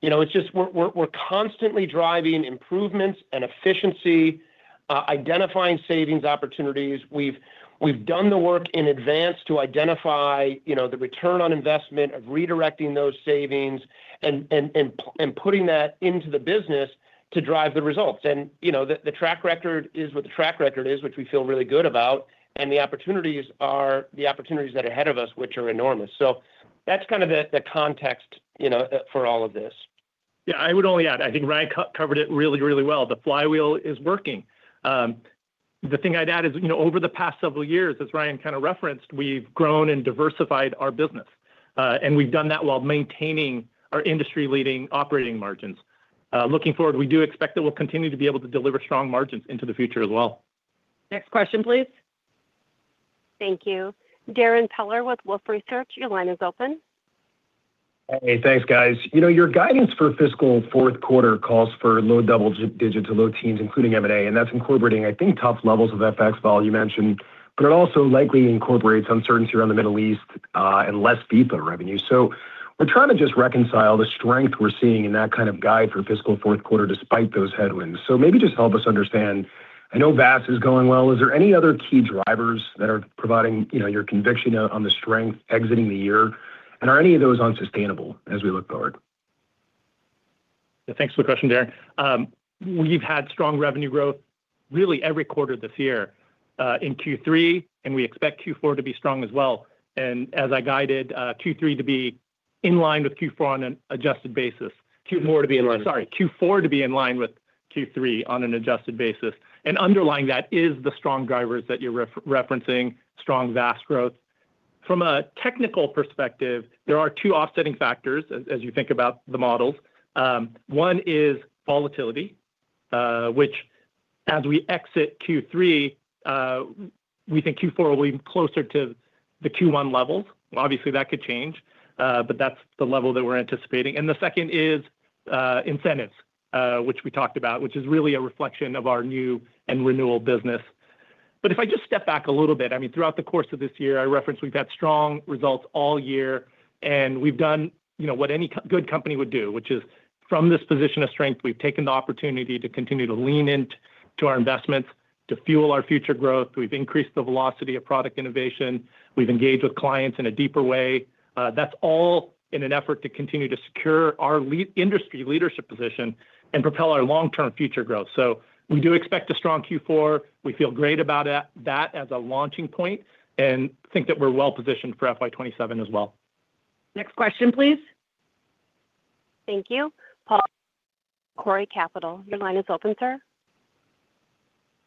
We're constantly driving improvements and efficiency, identifying savings opportunities. We've done the work in advance to identify the return on investment of redirecting those savings and putting that into the business to drive the results. The track record is what the track record is, which we feel really good about; the opportunities are the opportunities that are ahead of us, which are enormous. That's kind of the context for all of this. I would only add, I think Ryan covered it really well. The flywheel is working. The thing I'd add is, over the past several years, as Ryan kind of referenced, we've grown and diversified our business. We've done that while maintaining our industry-leading operating margins. Looking forward, we do expect that we'll continue to be able to deliver strong margins into the future as well. Next question, please. Thank you. Darrin Peller with Wolfe Research, your line is open. Hey, thanks, guys. Your guidance for fiscal fourth quarter calls for low double digits to low teens, including M&A that's incorporating, I think, tough levels of FX volume mentioned; it also likely incorporates uncertainty around the Middle East and less FIFA revenue. We're trying to just reconcile the strength we're seeing in that kind of guide for fiscal fourth quarter despite those headwinds. Maybe just help us understand. I know VAS is going well; is there any other key drivers that are providing your conviction on the strength exiting the year? Are any of those unsustainable as we look forward? Thanks for the question, Darrin. We've had strong revenue growth really every quarter this year in Q3, and we expect Q4 to be strong as well. As I guided Q3 to be in line with Q4 on an adjusted basis. Q4 to be in line. Sorry, Q4 to be in line with Q3 on an adjusted basis. Underlying that is the strong drivers that you're referencing, strong VAS growth. From a technical perspective, there are two offsetting factors as you think about the models. One is volatility, which as we exit Q3, we think Q4 will be closer to the Q1 levels. Obviously, that could change, but that's the level that we're anticipating. The second is incentives, which we talked about, which is really a reflection of our new and renewal business. If I just step back a little bit, throughout the course of this year, I referenced we've had strong results all year, and we've done what any good company would do, which is from this position of strength, we've taken the opportunity to continue to lean into our investments to fuel our future growth. We've increased the velocity of product innovation. We've engaged with clients in a deeper way. That's all in an effort to continue to secure our industry leadership position and propel our long-term future growth. We do expect a strong Q4. We feel great about that as a launching point and think that we're well-positioned for FY 2027 as well. Next question, please. Thank you. Paul Golding from Macquarie Capital, your line is open, sir.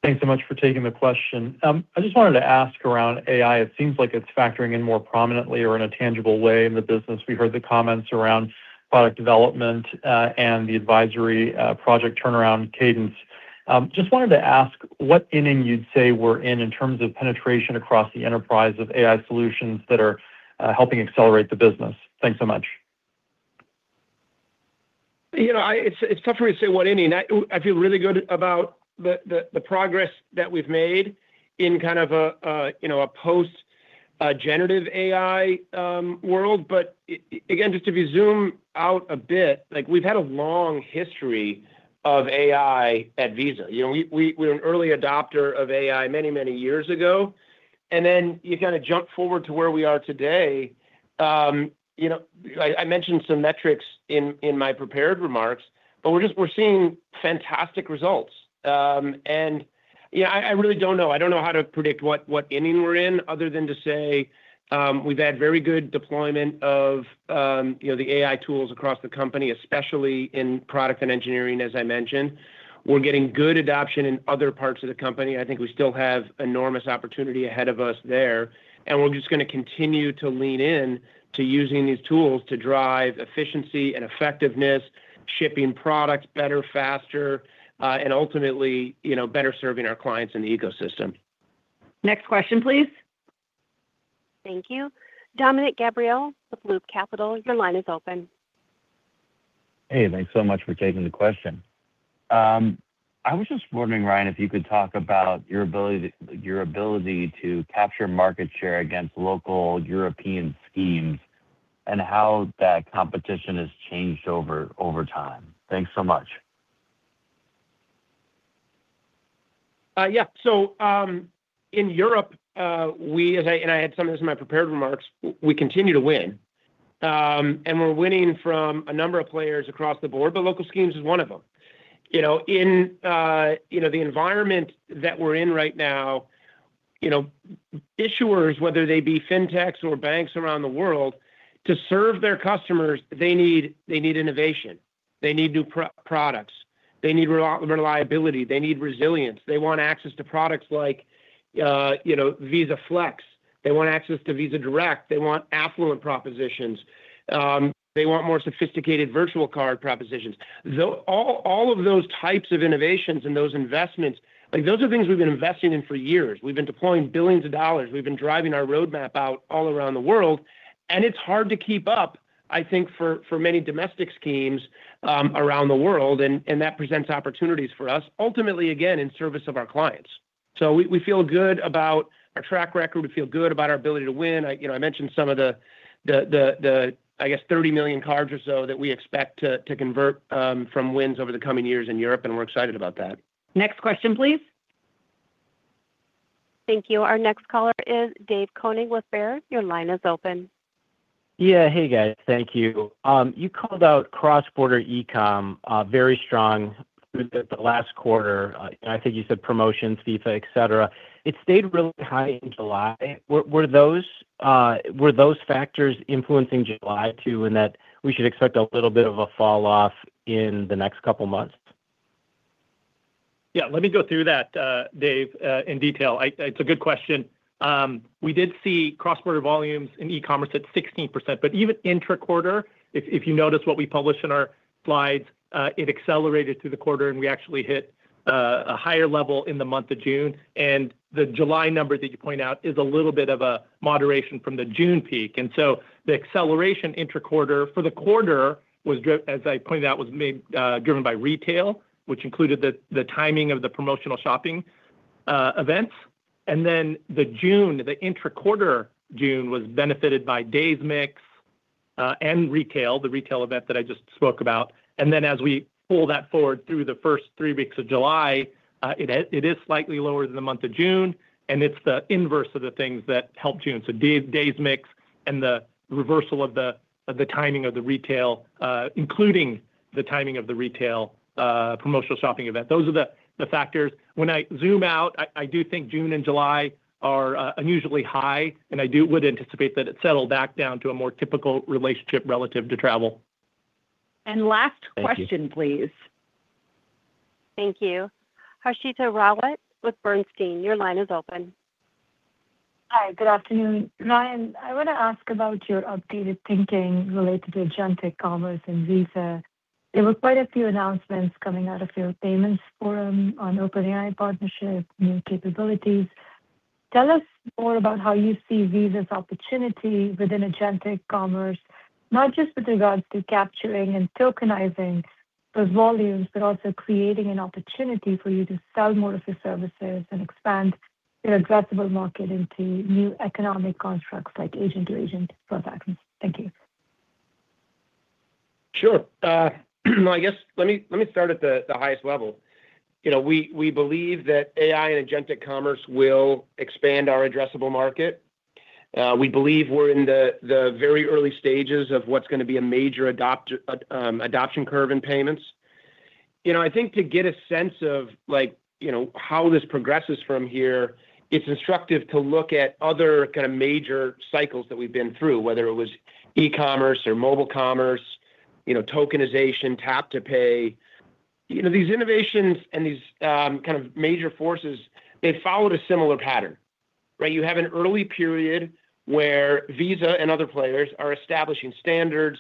Thanks so much for taking the question. I just wanted to ask around AI; it seems like it's factoring in more prominently or in a tangible way in the business. We heard the comments around product development and the advisory project turnaround cadence. Just wanted to ask what inning you'd say we're in in terms of penetration across the enterprise of AI solutions that are helping accelerate the business. Thanks so much. It's tough for me to say what inning. I feel really good about the progress that we've made in a post-generative AI world. Again, just if you zoom out a bit, we've had a long history of AI at Visa. You jump forward to where we are today. I mentioned some metrics in my prepared remarks; we're seeing fantastic results. I really don't know how to predict what inning we're in other than to say we've had very good deployment of the AI tools across the company, especially in product and engineering, as I mentioned. We're getting good adoption in other parts of the company. I think we still have enormous opportunity ahead of us there, and we're just going to continue to lean in to using these tools to drive efficiency and effectiveness, shipping products better, faster, and ultimately, better serving our clients in the ecosystem. Next question, please. Thank you. Dominick Gabriele with Loop Capital, your line is open. Hey, thanks so much for taking the question. I was just wondering, Ryan, if you could talk about your ability to capture market share against local European schemes and how that competition has changed over time. Thanks so much. Yeah. In Europe, and I had some of this in my prepared remarks, we continue to win. We're winning from a number of players across the board, but local schemes is one of them. In the environment that we're in right now, issuers, whether they be fintechs or banks around the world, to serve their customers, they need innovation. They need new products. They need reliability. They need resilience. They want access to products like Visa Flex. They want access to Visa Direct. They want affluent propositions. They want more sophisticated virtual card propositions. All of those types of innovations and those investments, those are things we've been investing in for years. We've been deploying billions of dollars. We've been driving our roadmap out all around the world, and it's hard to keep up, I think, for many domestic schemes around the world, and that presents opportunities for us, ultimately, again, in service of our clients. We feel good about our track record. We feel good about our ability to win. I mentioned some of the, I guess, 30 million cards or so that we expect to convert from wins over the coming years in Europe, and we're excited about that. Next question, please. Thank you. Our next caller is David Koning with Baird. Your line is open. Hey, guys. Thank you. You called out cross-border e-com, very strong through the last quarter. I think you said promotions, FIFA, et cetera. It stayed really high in July. Were those factors influencing July too, in that we should expect a little bit of a falloff in the next couple of months? Let me go through that, Dave, in detail. It's a good question. We did see cross-border volumes in e-commerce at 16%, even intra-quarter; if you notice what we published in our slides, it accelerated through the quarter, and we actually hit a higher level in the month of June. The July number that you point out is a little bit of a moderation from the June peak. The acceleration intra-quarter for the quarter, as I pointed out, was driven by retail. Which included the timing of the promotional shopping events. The intra-quarter June was benefited by days mix and retail, the retail event that I just spoke about. As we pull that forward through the first three weeks of July, it is slightly lower than the month of June, and it's the inverse of the things that helped June. Days mix, and the reversal of the timing of the retail, including the timing of the retail promotional shopping event. Those are the factors. When I zoom out, I do think June and July are unusually high, and I would anticipate that it settle back down to a more typical relationship relative to travel. Last question, please. Thank you. Harshita Rawat with Bernstein, your line is open. Hi, good afternoon. Ryan, I want to ask about your updated thinking related to agentic commerce and Visa. There were quite a few announcements coming out of your payments forum on OpenAI partnership, new capabilities. Tell us more about how you see Visa's opportunity within agentic commerce, not just with regards to capturing and tokenizing those volumes, but also creating an opportunity for you to sell more of your services and expand your addressable market into new economic constructs like agent-to-agent transactions. Thank you. Sure. I guess let me start at the highest level. We believe that AI and agentic commerce will expand our addressable market. We believe we're in the very early stages of what's going to be a major adoption curve in payments. I think to get a sense of how this progresses from here, it's instructive to look at other kinds of major cycles that we've been through, whether it was e-commerce or mobile commerce, tokenization, tap-to-pay. These innovations and these kinds of major forces, they followed a similar pattern, right? You have an early period where Visa and other players are establishing standards;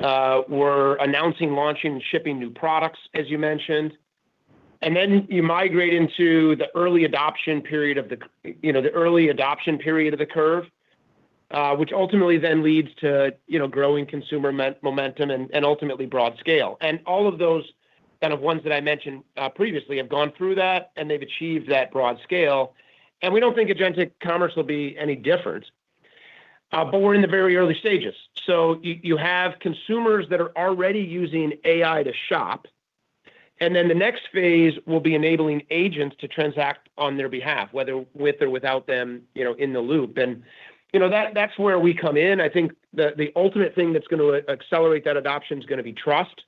we're announcing, launching, and shipping new products, as you mentioned. You migrate into the early adoption period of the curve, which ultimately then leads to growing consumer momentum and ultimately broad scale. All of those kinds of ones that I mentioned previously have gone through that, and they've achieved that broad scale. We don't think agentic commerce will be any different. We're in the very early stages. You have consumers that are already using AI to shop, and then the next phase will be enabling agents to transact on their behalf, whether with or without them in the loop. That's where we come in. I think the ultimate thing that's going to accelerate that adoption is going to be trust.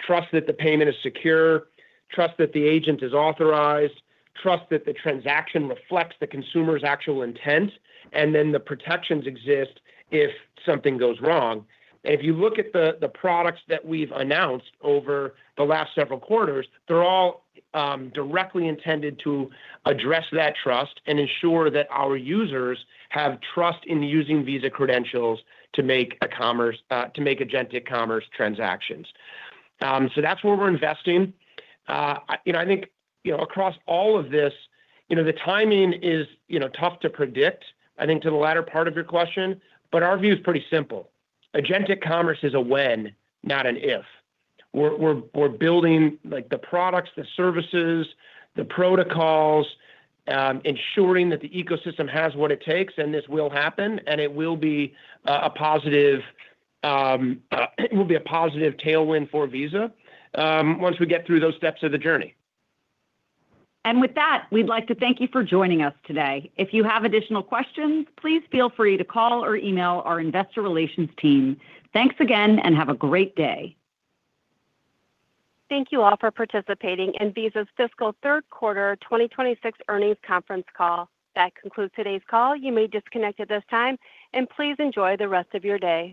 Trust that the payment is secure, trust that the agent is authorized, trust that the transaction reflects the consumer's actual intent, and then the protections exist if something goes wrong. If you look at the products that we've announced over the last several quarters, they're all directly intended to address that trust and ensure that our users have trust in using Visa credentials to make agentic commerce transactions. That's where we're investing. I think across all of this, the timing is tough to predict, I think to the latter part of your question, but our view is pretty simple. Agentic commerce is a when, not an if. We're building the products, the services, the protocols, ensuring that the ecosystem has what it takes, and this will happen, and it will be a positive tailwind for Visa once we get through those steps of the journey. With that, we'd like to thank you for joining us today. If you have additional questions, please feel free to call or email our Investor Relations team. Thanks again, and have a great day. Thank you all for participating in Visa's fiscal third quarter 2026 earnings conference call. That concludes today's call. You may disconnect at this time, and please enjoy the rest of your day.